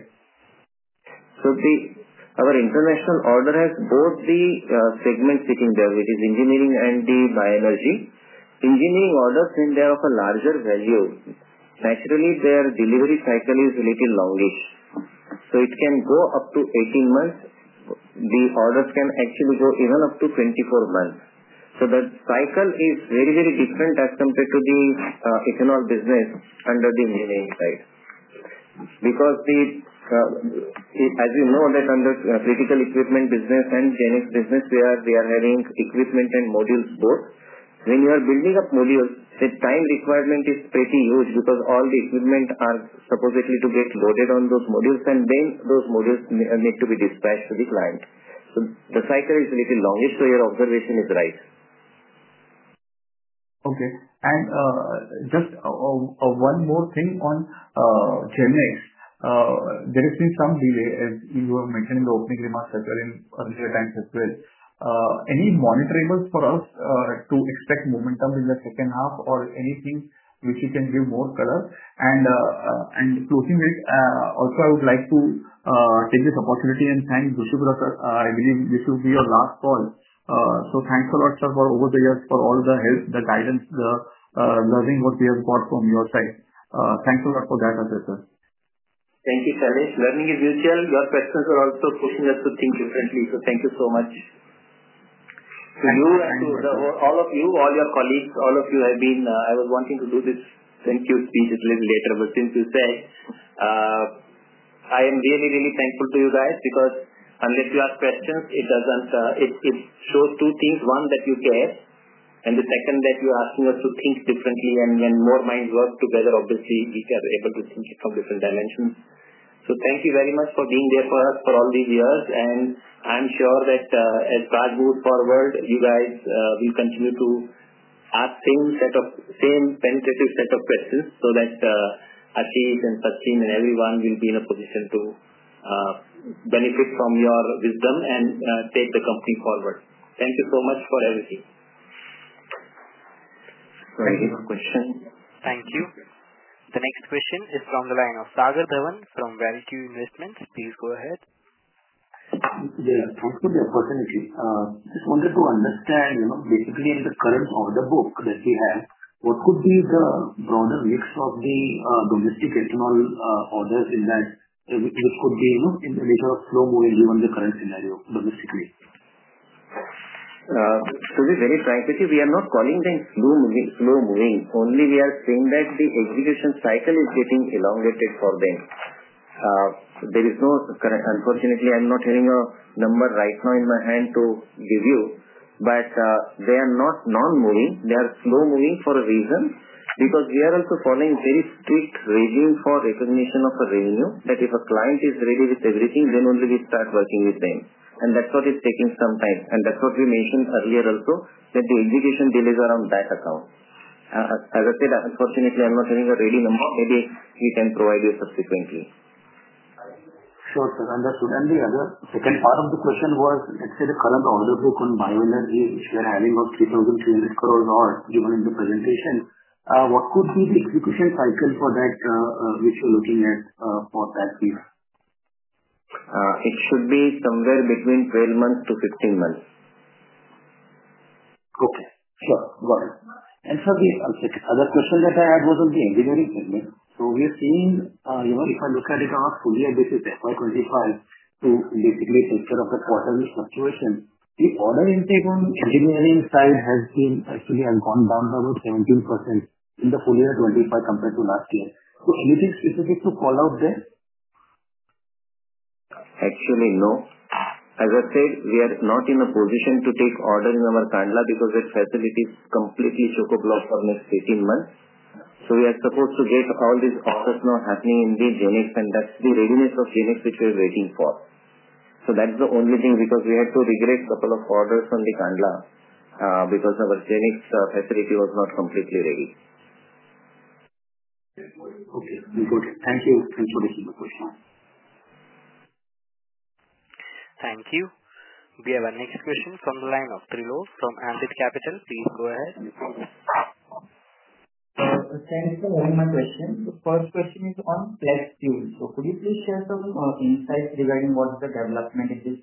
Our international order has both the segments sitting there, which is engineering and the bioenergy. Engineering orders, when they are of a larger value, naturally, their delivery cycle is a little longish. It can go up to 18 months. The orders can actually go even up to 24 months. The cycle is very, very different as compared to the ethanol business under the engineering side. Because as we know, under critical equipment business and Genex business, we are having equipment and modules both. When you are building up modules, the time requirement is pretty huge because all the equipment are supposedly to get loaded on those modules, and then those modules need to be dispatched to the client. The cycle is a little longish, so your observation is right. Okay. Just one more thing on Genex. There has been some delay, as you have mentioned in the opening remarks earlier times as well. Any monitorables for us to expect momentum in the second half, or anything which you can give more color? Closing it, also, I would like to take this opportunity and thank Neerav Bhadkam. I believe this will be your last call. Thanks a lot, sir, for over the years, for all the help, the guidance, the learning what we have got from your side. Thanks a lot for that, Sachin. Thank you, Shailesh. Learning is mutual. Your questions were also pushing us to think differently. Thank you so much. To you, and to all of you, all your colleagues, all of you have been—I was wanting to do this thank-you speech a little later, but since you said, I am really, really thankful to you guys because unless you ask questions, it shows two things. One, that you care, and the second, that you're asking us to think differently. When more minds work together, obviously, we are able to think from different dimensions. Thank you very much for being there for us for all these years. I'm sure that as Praj moves forward, you guys will continue to ask same set of same penetrative set of questions so that Ashish and Sachin and everyone will be in a position to benefit from your wisdom and take the company forward. Thank you so much for everything. Thank you. Thank you. The next question is from the line of Sagar Dhawan from Valuequest Investments. Please go ahead. Thanks for the opportunity. Just wanted to understand, basically, in the current order book that we have, what could be the broader mix of the domestic ethanol orders in that which could be in the nature of slow moving given the current scenario domestically? To be very frank with you, we are not calling them slow moving. Only we are saying that the execution cycle is getting elongated for them. There is no current—unfortunately, I'm not having a number right now in my hand to give you, but they are not non-moving. They are slow moving for a reason because we are also following very strict regime for recognition of a revenue, that if a client is ready with everything, then only we start working with them. That is what is taking some time. That is what we mentioned earlier also, that the execution delays are on that account. As I said, unfortunately, I'm not having a ready number. Maybe we can provide you subsequently. Sure, sir. Understood. The other second part of the question was, let's say the current order book on bioenergy, which we are having of 3,300 crore or given in the presentation, what could be the execution cycle for that which you're looking at for that piece? It should be somewhere between 12 months to 15 months. Okay. Sure. Got it. Sir, the other question that I had was on the engineering segment. We are seeing, if I look at it on a full year basis, FY 2025, to basically take care of the quarterly fluctuation, the order intake on the engineering side has actually gone down by about 17% in the full year 2025 compared to last year. Anything specific to call out there? Actually, no. As I said, we are not in a position to take orders in our Khandla because that facility is completely choke-blocked for the next 18 months. We are supposed to get all these orders now happening in the Genex, and that's the readiness of Genex which we are waiting for. That's the only thing because we had to regret a couple of orders on the Khandla because our Genex facility was not completely ready. Okay. Good. Thank you. Thanks for the question. Thank you. We have a next question from the line of Trilok from Ambit Capital. Please go ahead. Thanks for all my questions. The first question is on flex fuel. Could you please share some insights regarding what's the development in this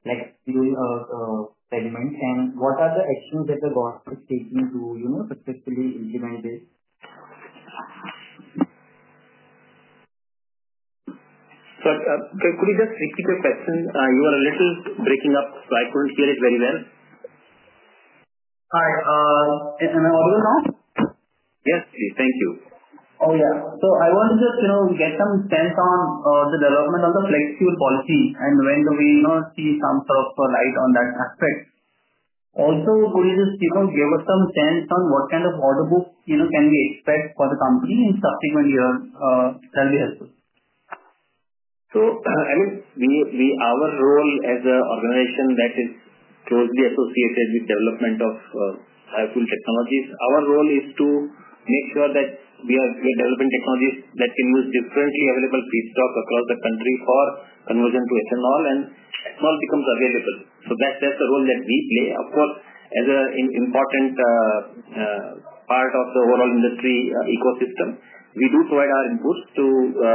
flex fuel segment, and what are the actions that the government is taking to successfully implement this? Sir, could you just repeat your question? You were a little breaking up, so I couldn't hear it very well. Hi. Am I audible now? Yes, please. Thank you. Oh, yeah. I want to just get some sense on the development of the flex fuel policy and when do we see some sort of light on that aspect. Also, could you just give us some sense on what kind of order book can we expect for the company in subsequent years? That'll be helpful. I mean, our role as an organization that is closely associated with the development of biofuel technologies, our role is to make sure that we are developing technologies that can use differently available feedstock across the country for conversion to ethanol, and ethanol becomes available. That is the role that we play. Of course, as an important part of the overall industry ecosystem, we do provide our inputs to the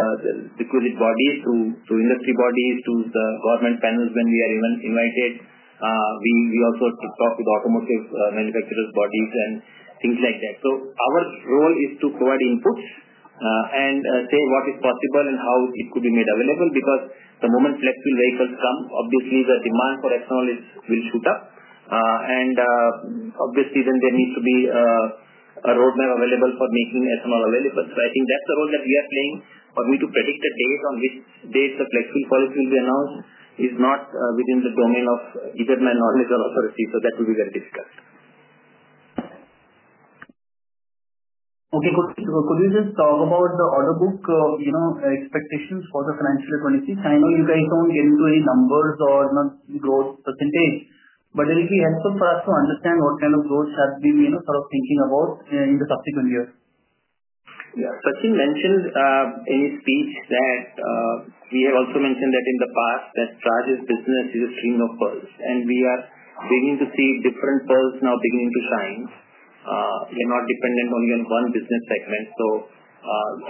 requisite bodies, to industry bodies, to the government panels when we are invited. We also talk with automotive manufacturers' bodies and things like that. Our role is to provide inputs and say what is possible and how it could be made available because the moment flex fuel vehicles come, obviously, the demand for ethanol will shoot up. Obviously, then there needs to be a roadmap available for making ethanol available. I think that's the role that we are playing. For me to predict a date on which date the flex fuel policy will be announced is not within the domain of either my knowledge or authority, so that will be very difficult. Okay. Could you just talk about the order book expectations for the financial year 2026? I know you guys do not get into any numbers or growth percentage, but it would be helpful for us to understand what kind of growth should we be sort of thinking about in the subsequent years. Yeah. Sachin mentioned in his speech that we have also mentioned that in the past that Praj's business is a stream of pearls, and we are beginning to see different pearls now beginning to shine. We are not dependent only on one business segment.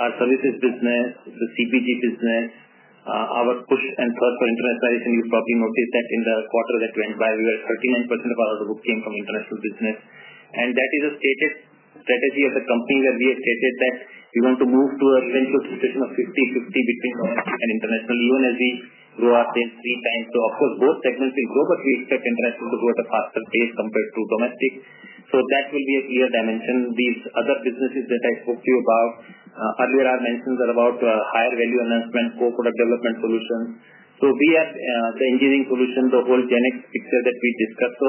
Our services business, the CBG business, our push and thrust for internationalization, you've probably noticed that in the quarter that went by, 39% of our order book came from international business. That is a stated strategy of the company where we have stated that we want to move to an eventual situation of 50/50 between domestic and international, even as we grow our sales three times. Of course, both segments will grow, but we expect international to grow at a faster pace compared to domestic. That will be a clear dimension. These other businesses that I spoke to you about earlier are mentions about higher value announcement, co-product development solutions. We are the engineering solution, the whole GenX picture that we discussed.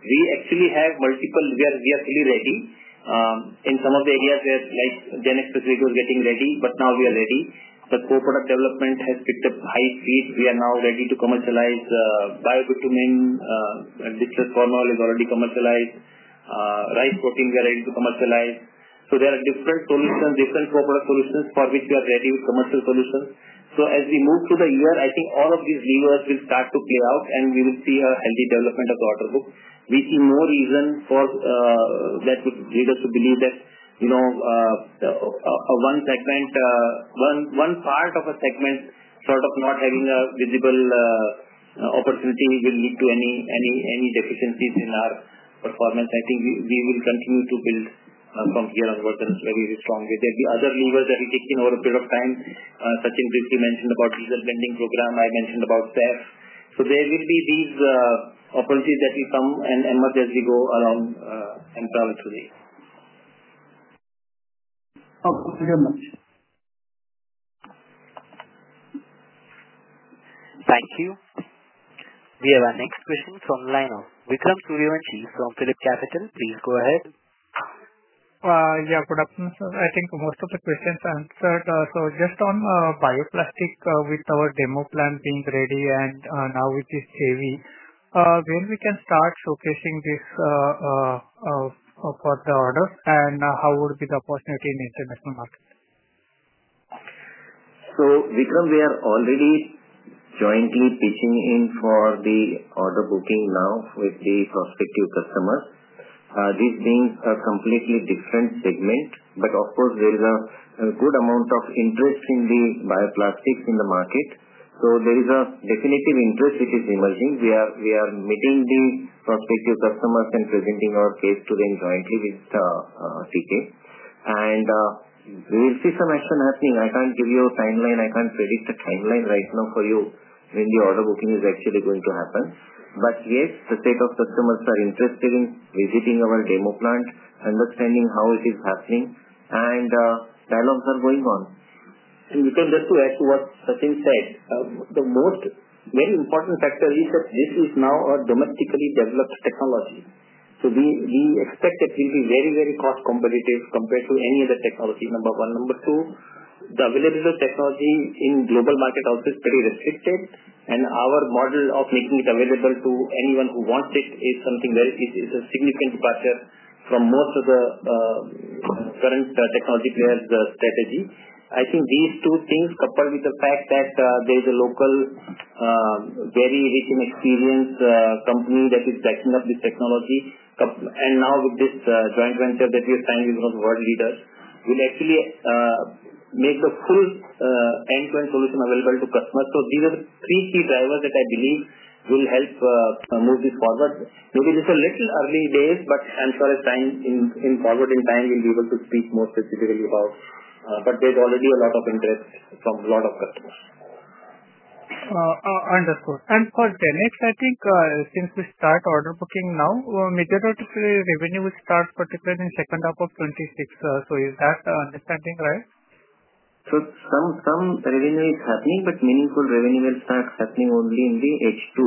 We actually have multiple—we are fully ready in some of the areas where GenX specifically was getting ready, but now we are ready. The co-product development has picked up high speed. We are now ready to commercialize biobitumin. Distressed formaldehyde is already commercialized. Rice protein, we are ready to commercialize. There are different solutions, different co-product solutions for which we are ready with commercial solutions. As we move through the year, I think all of these levers will start to play out, and we will see a healthy development of the order book. We see more reason that would lead us to believe that one part of a segment sort of not having a visible opportunity will lead to any deficiencies in our performance. I think we will continue to build from here onwards in a very strong way. There will be other levers that we take in over a period of time. Sachin briefly mentioned about diesel blending program. I mentioned about SAF. There will be these opportunities that will come and emerge as we go along and travel through the year. Thank you very much. Thank you. We have a next question from the line of Vikram Suryavanshi from Phillip Capital. Please go ahead. Yeah, good afternoon, sir. I think most of the questions answered. Just on bioplastic, with our demo plant being ready and now with this JV, when can we start showcasing this for the orders, and how would be the opportunity in the international market? Vikram, we are already jointly pitching in for the order booking now with the prospective customers. This being a completely different segment, but of course, there is a good amount of interest in the bioplastics in the market. There is a definitive interest which is emerging. We are meeting the prospective customers and presenting our case to them jointly with TK. We will see some action happening. I can't give you a timeline. I can't predict a timeline right now for you when the order booking is actually going to happen. Yes, the state of customers are interested in visiting our demo plant, understanding how it is happening, and dialogues are going on. Vikram, just to add to what Sachin said, the most very important factor is that this is now a domestically developed technology. We expect that it will be very, very cost-competitive compared to any other technology, number one. Number two, the availability of technology in the global market also is pretty restricted, and our model of making it available to anyone who wants it is something very—it's a significant departure from most of the current technology players' strategy. I think these two things, coupled with the fact that there is a local, very rich in experience company that is backing up this technology, and now with this joint venture that we have signed with one of the world leaders, will actually make the full end-to-end solution available to customers. These are the three key drivers that I believe will help move this forward. Maybe this is a little early days, but I'm sure as time in forward in time, we'll be able to speak more specifically about. There is already a lot of interest from a lot of customers. Understood. For Genex, I think since we start order booking now, majority of the revenue will start particularly in the second half of 2026. Is that understanding right? Some revenue is happening, but meaningful revenue will start happening only in the H2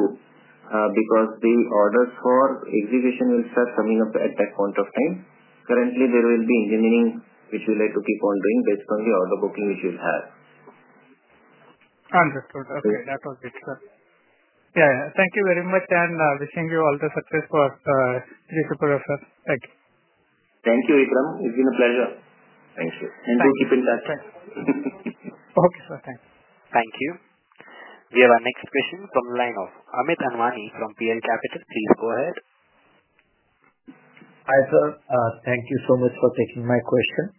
because the orders for execution will start coming up at that point of time. Currently, there will be engineering, which we like to keep on doing based on the order booking which we'll have. Understood. Okay. That was it, sir. Yeah, yeah. Thank you very much, and wishing you all the success for this opera, sir. Thank you. Thank you, Vikram. It's been a pleasure. Thank you. We'll keep in touch. Okay, sir. Thanks. Thank you. We have a next question from the line of Amit Anwani from PL Capital. Please go ahead. Hi, sir. Thank you so much for taking my question.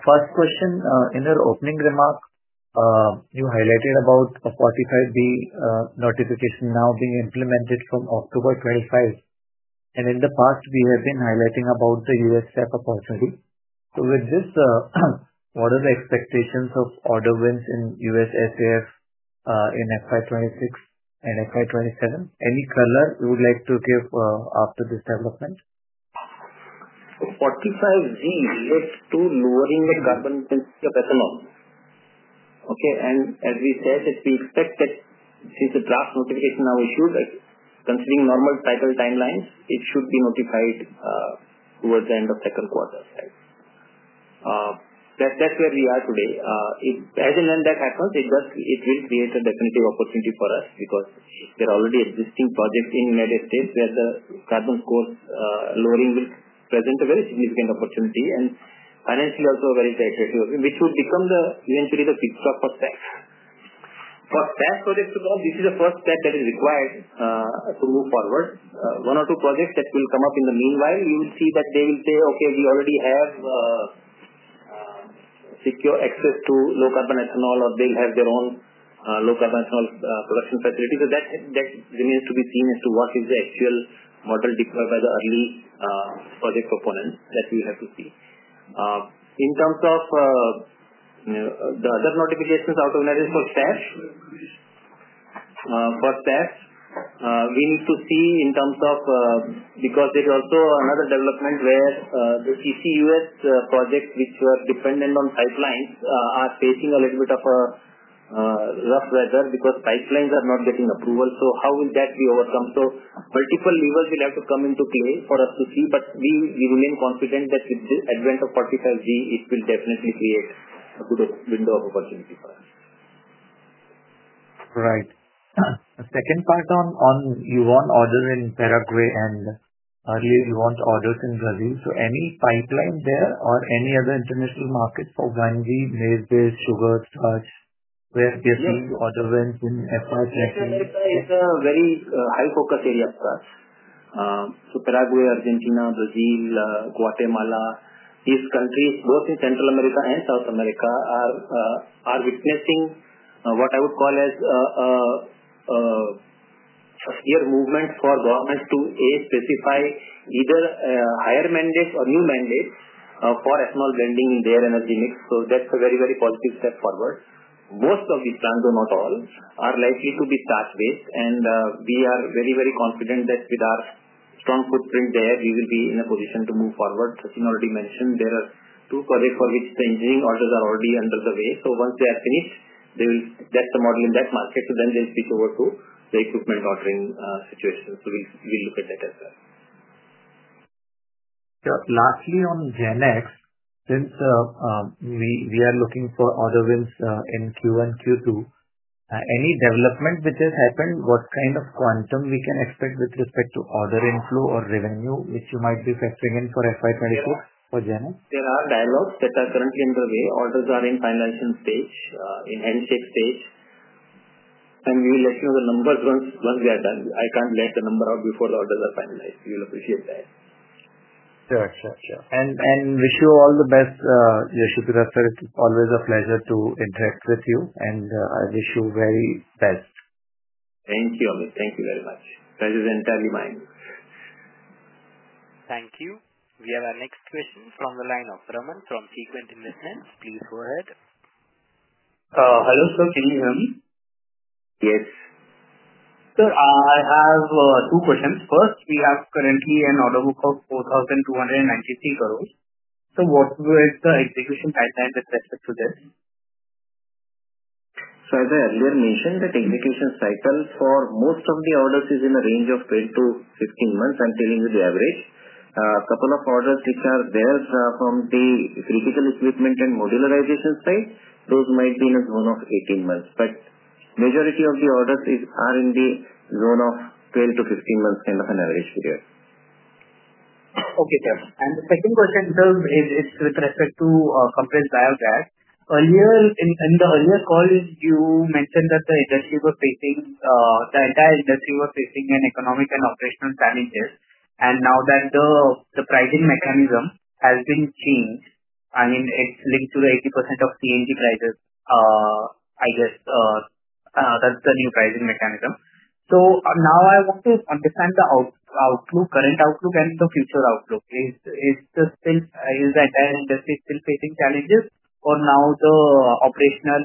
First question, in your opening remark, you highlighted about the 45Z notification now being implemented from October 25. In the past, we have been highlighting about the US SAF opportunity. With this, what are the expectations of order wins in US SAF in FY26 and FY27? Any color you would like to give after this development? 45Z leads to lowering the carbon intensity of ethanol. Okay. As we said, we expect that since the draft notification now issued, considering normal cycle timelines, it should be notified towards the end of the second quarter. That's where we are today. As in, when that happens, it will create a definitive opportunity for us because there are already existing projects in the U.S. where the carbon source lowering will present a very significant opportunity and financially also a very great return, which will become eventually the feedstock for SAF. For SAF projects to come, this is the first step that is required to move forward. One or two projects that will come up in the meanwhile, you will see that they will say, "Okay, we already have secure access to low-carbon ethanol," or they'll have their own low-carbon ethanol production facility. That remains to be seen as to what is the actual model deployed by the early project proponents that we will have to see. In terms of the other notifications out of the United States for SAF, we need to see in terms of because there's also another development where the TCUS projects, which were dependent on pipelines, are facing a little bit of rough weather because pipelines are not getting approval. How will that be overcome? Multiple levers will have to come into play for us to see, but we remain confident that with the advent of 45Z, it will definitely create a good window of opportunity for us. Right. A second part on you want orders in Paraguay and earlier you want orders in Brazil. So any pipeline there or any other international market for Gandhi, Maize, Sugar, Starch, where do you see order wins in FY2026? It's a very high-focus area, Prash. Paraguay, Argentina, Brazil, Guatemala, these countries, both in Central America and South America, are witnessing what I would call a severe movement for governments to, A, specify either higher mandates or new mandates for ethanol blending in their energy mix. That's a very, very positive step forward. Most of these plants, though not all, are likely to be start with, and we are very, very confident that with our strong footprint there, we will be in a position to move forward. Sachin already mentioned there are two projects for which the engineering orders are already underway. Once they are finished, that's the model in that market. They will switch over to the equipment ordering situation. We'll look at that as well. Lastly, on Genex, since we are looking for order wins in Q1, Q2, any development which has happened, what kind of quantum we can expect with respect to order inflow or revenue, which you might be factoring in for FY 2026 for Genex? There are dialogues that are currently underway. Orders are in finalization stage, in handshake stage, and we will let you know the numbers once they are done. I can't let the number out before the orders are finalized. You'll appreciate that. Sure, sure, sure. Wish you all the best, Yashithira sir. It's always a pleasure to interact with you, and I wish you very best. Thank you, Amit. Thank you very much. Pleasure is entirely mine. Thank you. We have a next question from the line of Ramon from SeaQuant Investments. Please go ahead. Hello, sir. Can you hear me? Yes. Sir, I have two questions. First, we have currently an order book of 4,293 crore. What is the execution pipeline with respect to this? As I earlier mentioned, the execution cycle for most of the orders is in a range of 12-15 months. I am telling you the average. A couple of orders which are there from the critical equipment and modularization side, those might be in a zone of 18 months. The majority of the orders are in the zone of 12-15 months, kind of an average period. Okay, sir. The second question, sir, is with respect to compressed biogas. Earlier, in the earlier call, you mentioned that the industry was facing, the entire industry was facing, economic and operational challenges. Now that the pricing mechanism has been changed, I mean, it is linked to 80% of T&G prices, I guess that is the new pricing mechanism. I want to understand the outlook, current outlook, and the future outlook. Is the entire industry still facing challenges, or have the operational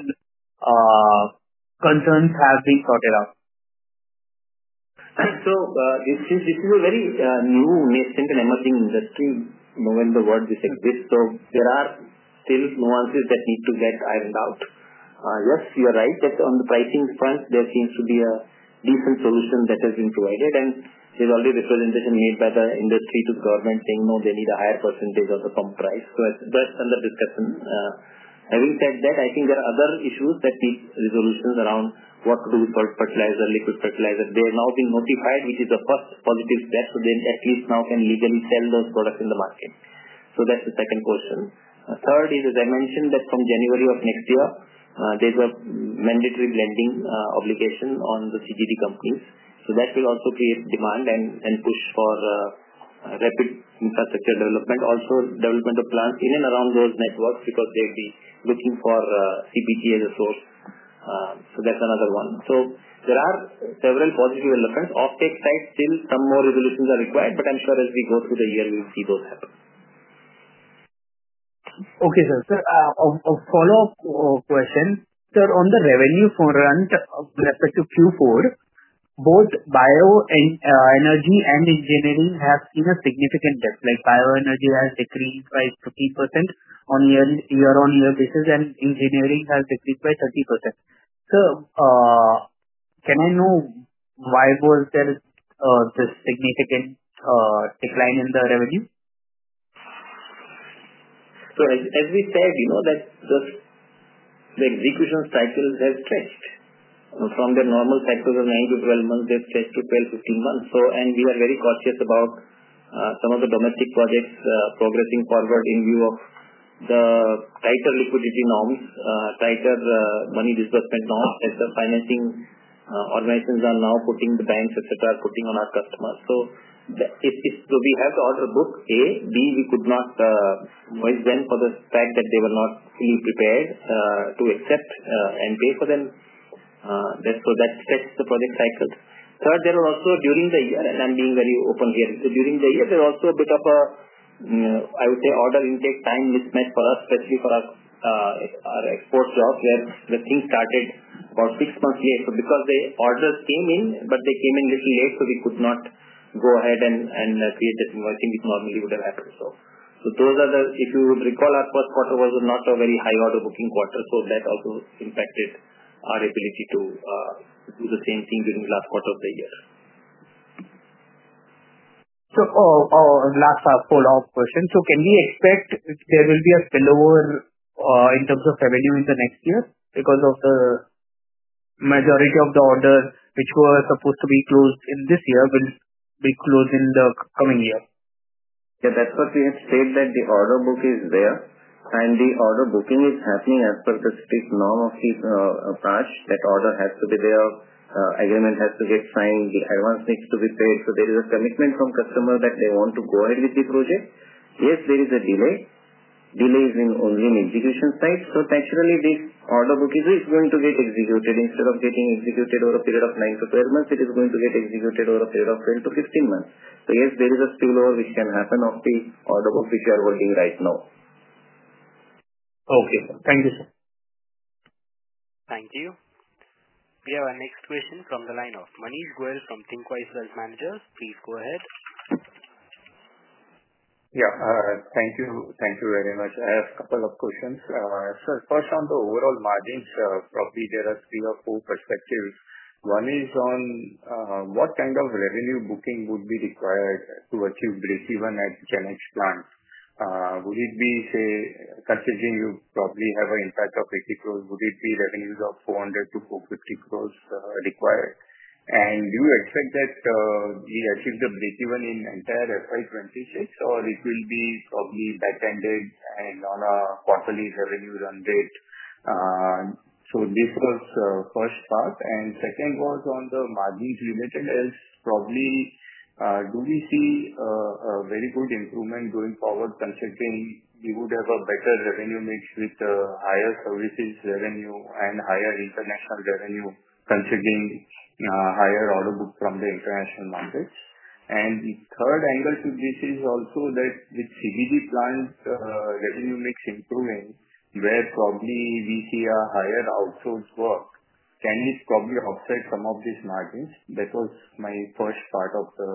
concerns been sorted out? This is a very new, nascent, and emerging industry when the word this exists. There are still nuances that need to get ironed out. Yes, you're right that on the pricing front, there seems to be a decent solution that has been provided, and there's already representation made by the industry to the government saying, "No, they need a higher percentage of the pump price." That's under discussion. Having said that, I think there are other issues that need resolutions around what to do with fertilizer, liquid fertilizer. They have now been notified, which is the first positive step. They at least now can legally sell those products in the market. That's the second question. Third is, as I mentioned, that from January of next year, there's a mandatory blending obligation on the CGD companies. That will also create demand and push for rapid infrastructure development, also development of plants in and around those networks because they'll be looking for CBG as a source. That's another one. There are several positive elements. Offtake side, still some more resolutions are required, but I'm sure as we go through the year, we'll see those happen. Okay, sir. A follow-up question. Sir, on the revenue front with respect to Q4, both bioenergy and engineering have seen a significant decline. Bioenergy has decreased by 15% on a year-on-year basis, and engineering has decreased by 30%. Sir, can I know why was there this significant decline in the revenue? As we said, the execution cycles have stretched from their normal cycles of 9 to 12 months. They have stretched to 12-15 months. We are very cautious about some of the domestic projects progressing forward in view of the tighter liquidity norms, tighter money disbursement norms that the financing organizations are now putting, the banks, etc., are putting on our customers. We have to order book A. B, we could not voice them for the fact that they were not fully prepared to accept and pay for them. That stretched the project cycle. Third, there were also during the year—and I am being very open here—during the year, there was also a bit of a, I would say, order intake time mismatch for us, especially for our export jobs, where the thing started about six months late. Because the orders came in, but they came in a little late, we could not go ahead and create that invoicing which normally would have happened. Those are the—if you recall, our first quarter was not a very high order booking quarter. That also impacted our ability to do the same thing during the last quarter of the year. Last follow-up question. Can we expect there will be a spillover in terms of revenue in the next year because the majority of the orders which were supposed to be closed in this year will be closed in the coming year? Yeah, that's what we have said, that the order book is there, and the order booking is happening as per the strict norm of Praj. That order has to be there. Agreement has to get signed. The advance needs to be paid. So there is a commitment from customers that they want to go ahead with the project. Yes, there is a delay. Delay is only in execution side. Naturally, this order book is going to get executed. Instead of getting executed over a period of 9-12 months, it is going to get executed over a period of 12-15 months. Yes, there is a spillover which can happen of the order book which we are holding right now. Okay. Thank you, sir. Thank you. We have a next question from the line of Manish Goyal from Thinkwise Wealth Managers. Please go ahead. Yeah. Thank you very much. I have a couple of questions. First, on the overall margins, probably there are three or four perspectives. One is on what kind of revenue booking would be required to achieve break-even at Genex plants. Would it be, say, considering you probably have an impact of 800 million, would it be revenues of 4 billion-4.5 billion required? Do you expect that we achieve the break-even in entire FY2026, or it will be probably back-ended and on a quarterly revenue run rate? This was the first part. Second was on the margins related, as probably do we see a very good improvement going forward considering we would have a better revenue mix with the higher services revenue and higher international revenue considering higher order book from the international markets? The third angle to this is also that with CBG plant revenue mix improving, where probably we see a higher outsource work, can this probably offset some of these margins? That was my first part of the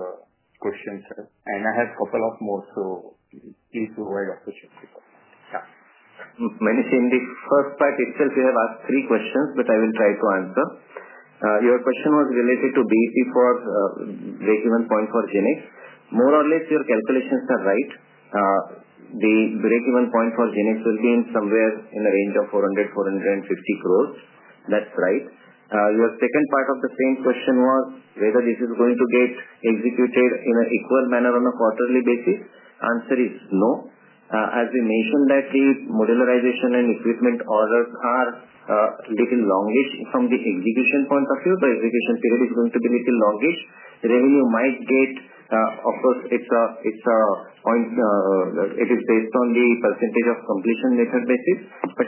question, sir. I have a couple of more, so please provide opportunity for that. Manish, in the first part itself, you have asked three questions, but I will try to answer. Your question was related to BEP for break-even point for GenX. More or less, your calculations are right. The break-even point for GenX will be somewhere in the range of 400 crore-450 crore. That's right. Your second part of the same question was whether this is going to get executed in an equal manner on a quarterly basis. Answer is no. As we mentioned, the modularization and equipment orders are a little longish from the execution point of view. The execution period is going to be a little longish. Revenue might get—of course, it is a point that it is based on the percentage of completion method basis.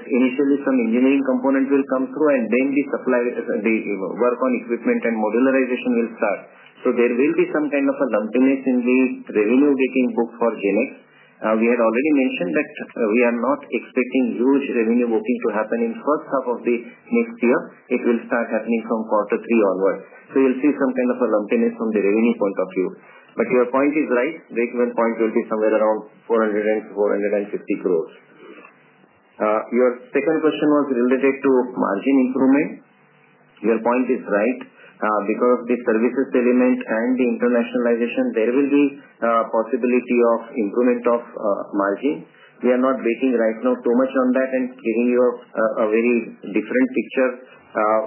Initially, some engineering components will come through, and then the work on equipment and modularization will start. There will be some kind of a lumpiness in the revenue-gating book for Genex. We had already mentioned that we are not expecting huge revenue booking to happen in the first half of the next year. It will start happening from quarter three onward. You will see some kind of a lumpiness from the revenue point of view. Your point is right. Break-even point will be somewhere around 400 crore-450 crore. Your second question was related to margin improvement. Your point is right. Because of the services element and the internationalization, there will be a possibility of improvement of margin. We are not waiting right now too much on that and giving you a very different picture.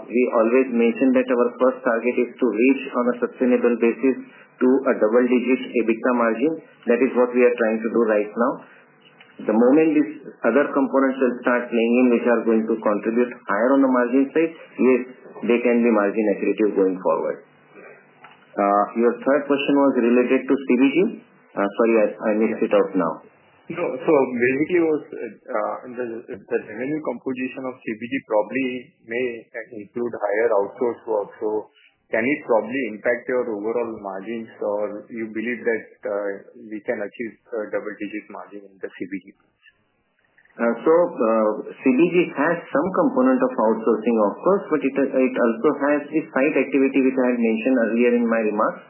We always mention that our first target is to reach on a sustainable basis to a double-digit EBITDA margin. That is what we are trying to do right now. The moment these other components will start playing in, which are going to contribute higher on the margin side, yes, they can be margin-accurate going forward. Your third question was related to CBG. Sorry, I missed it out now. Basically, the revenue composition of CBG probably may include higher outsource work. Can it probably impact your overall margins, or do you believe that we can achieve a double-digit margin in the CBG? CBG has some component of outsourcing, of course, but it also has the side activity which I had mentioned earlier in my remarks.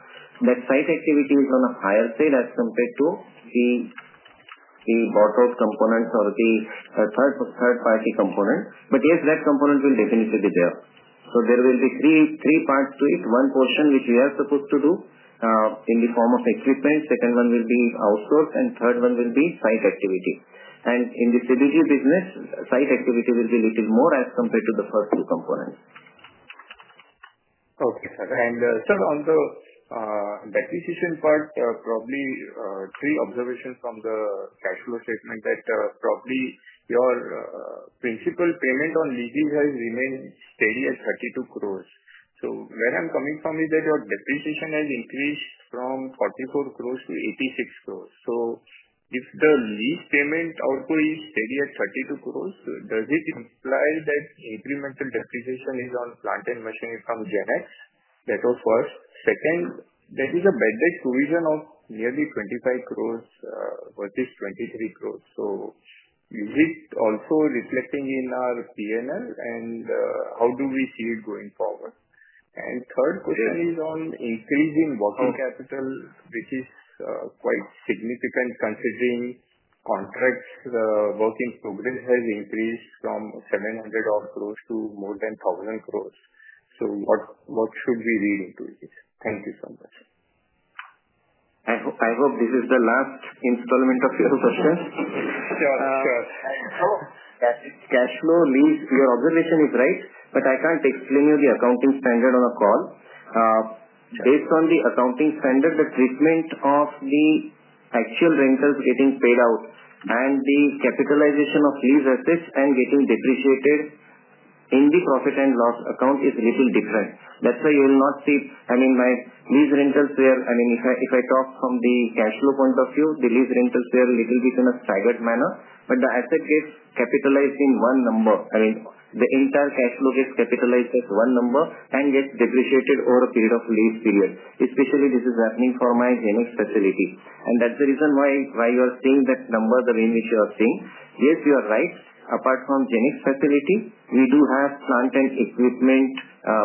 That side activity is on a higher side as compared to the bought-out components or the third-party component. Yes, that component will definitely be there. There will be three parts to it. One portion which we are supposed to do in the form of equipment, second one will be outsourced, and third one will be side activity. In the CBG business, side activity will be a little more as compared to the first two components. Okay, sir. On the depreciation part, probably three observations from the cash flow statement that probably your principal payment on leases has remained steady at 32 crore. Where I'm coming from is that your depreciation has increased from 44 crore to 86 crore. If the lease payment outgoing is steady at 32 crore, does it imply that incremental depreciation is on plant and machinery from Genex? That was first. Second, there is a bad provision of nearly 25 crore versus 23 crore. Is it also reflecting in our P&L, and how do we see it going forward? Third question is on increase in working capital, which is quite significant considering contracts' working progress has increased from 700 crore to more than 1,000 crore. What should we read into this? Thank you so much. I hope this is the last installment of your questions. Sure, sure. Cash flow, lease, your observation is right, but I can't explain you the accounting standard on a call. Based on the accounting standard, the treatment of the actual rentals getting paid out and the capitalization of lease assets and getting depreciated in the profit and loss account is a little different. That's why you will not see—I mean, my lease rentals were—I mean, if I talk from the cash flow point of view, the lease rentals were a little bit in a staggered manner. The asset gets capitalized in one number. I mean, the entire cash flow gets capitalized as one number and gets depreciated over a period of lease period. Especially, this is happening for my Genex facility. That's the reason why you are seeing that number, the range which you are seeing. Yes, you are right. Apart from Genex facility, we do have plant and equipment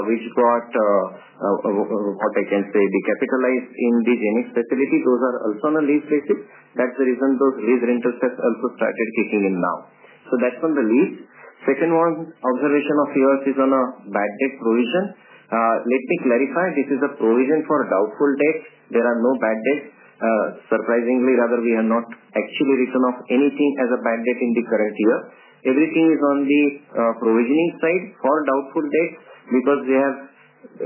which got, what I can say, decapitalized in the Genex facility. Those are also on a lease basis. That's the reason those lease rentals have also started kicking in now. That's on the lease. Second one, observation of yours is on a bad debt provision. Let me clarify. This is a provision for doubtful debt. There are no bad debts. Surprisingly, rather, we have not actually written off anything as a bad debt in the current year. Everything is on the provisioning side for doubtful debts because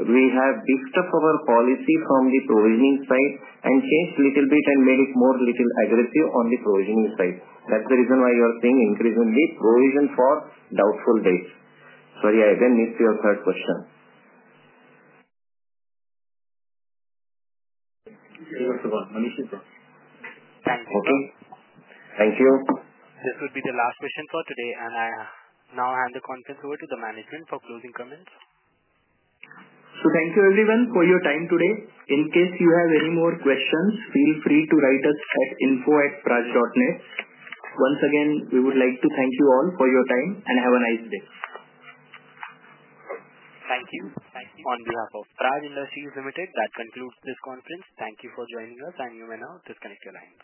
we have beefed up our policy from the provisioning side and changed a little bit and made it more a little aggressive on the provisioning side. That's the reason why you are seeing increase in the provision for doubtful debts. Sorry, I again missed your third question. That's the one. Manish, it's up. Thank you. Okay. Thank you. This would be the last question for today, and I now hand the conference over to the management for closing comments. Thank you, everyone, for your time today. In case you have any more questions, feel free to write us at info@praj.net. Once again, we would like to thank you all for your time and have a nice day. Thank you. On behalf of Praj Industries Limited, that concludes this conference. Thank you for joining us, and you may now disconnect your lines.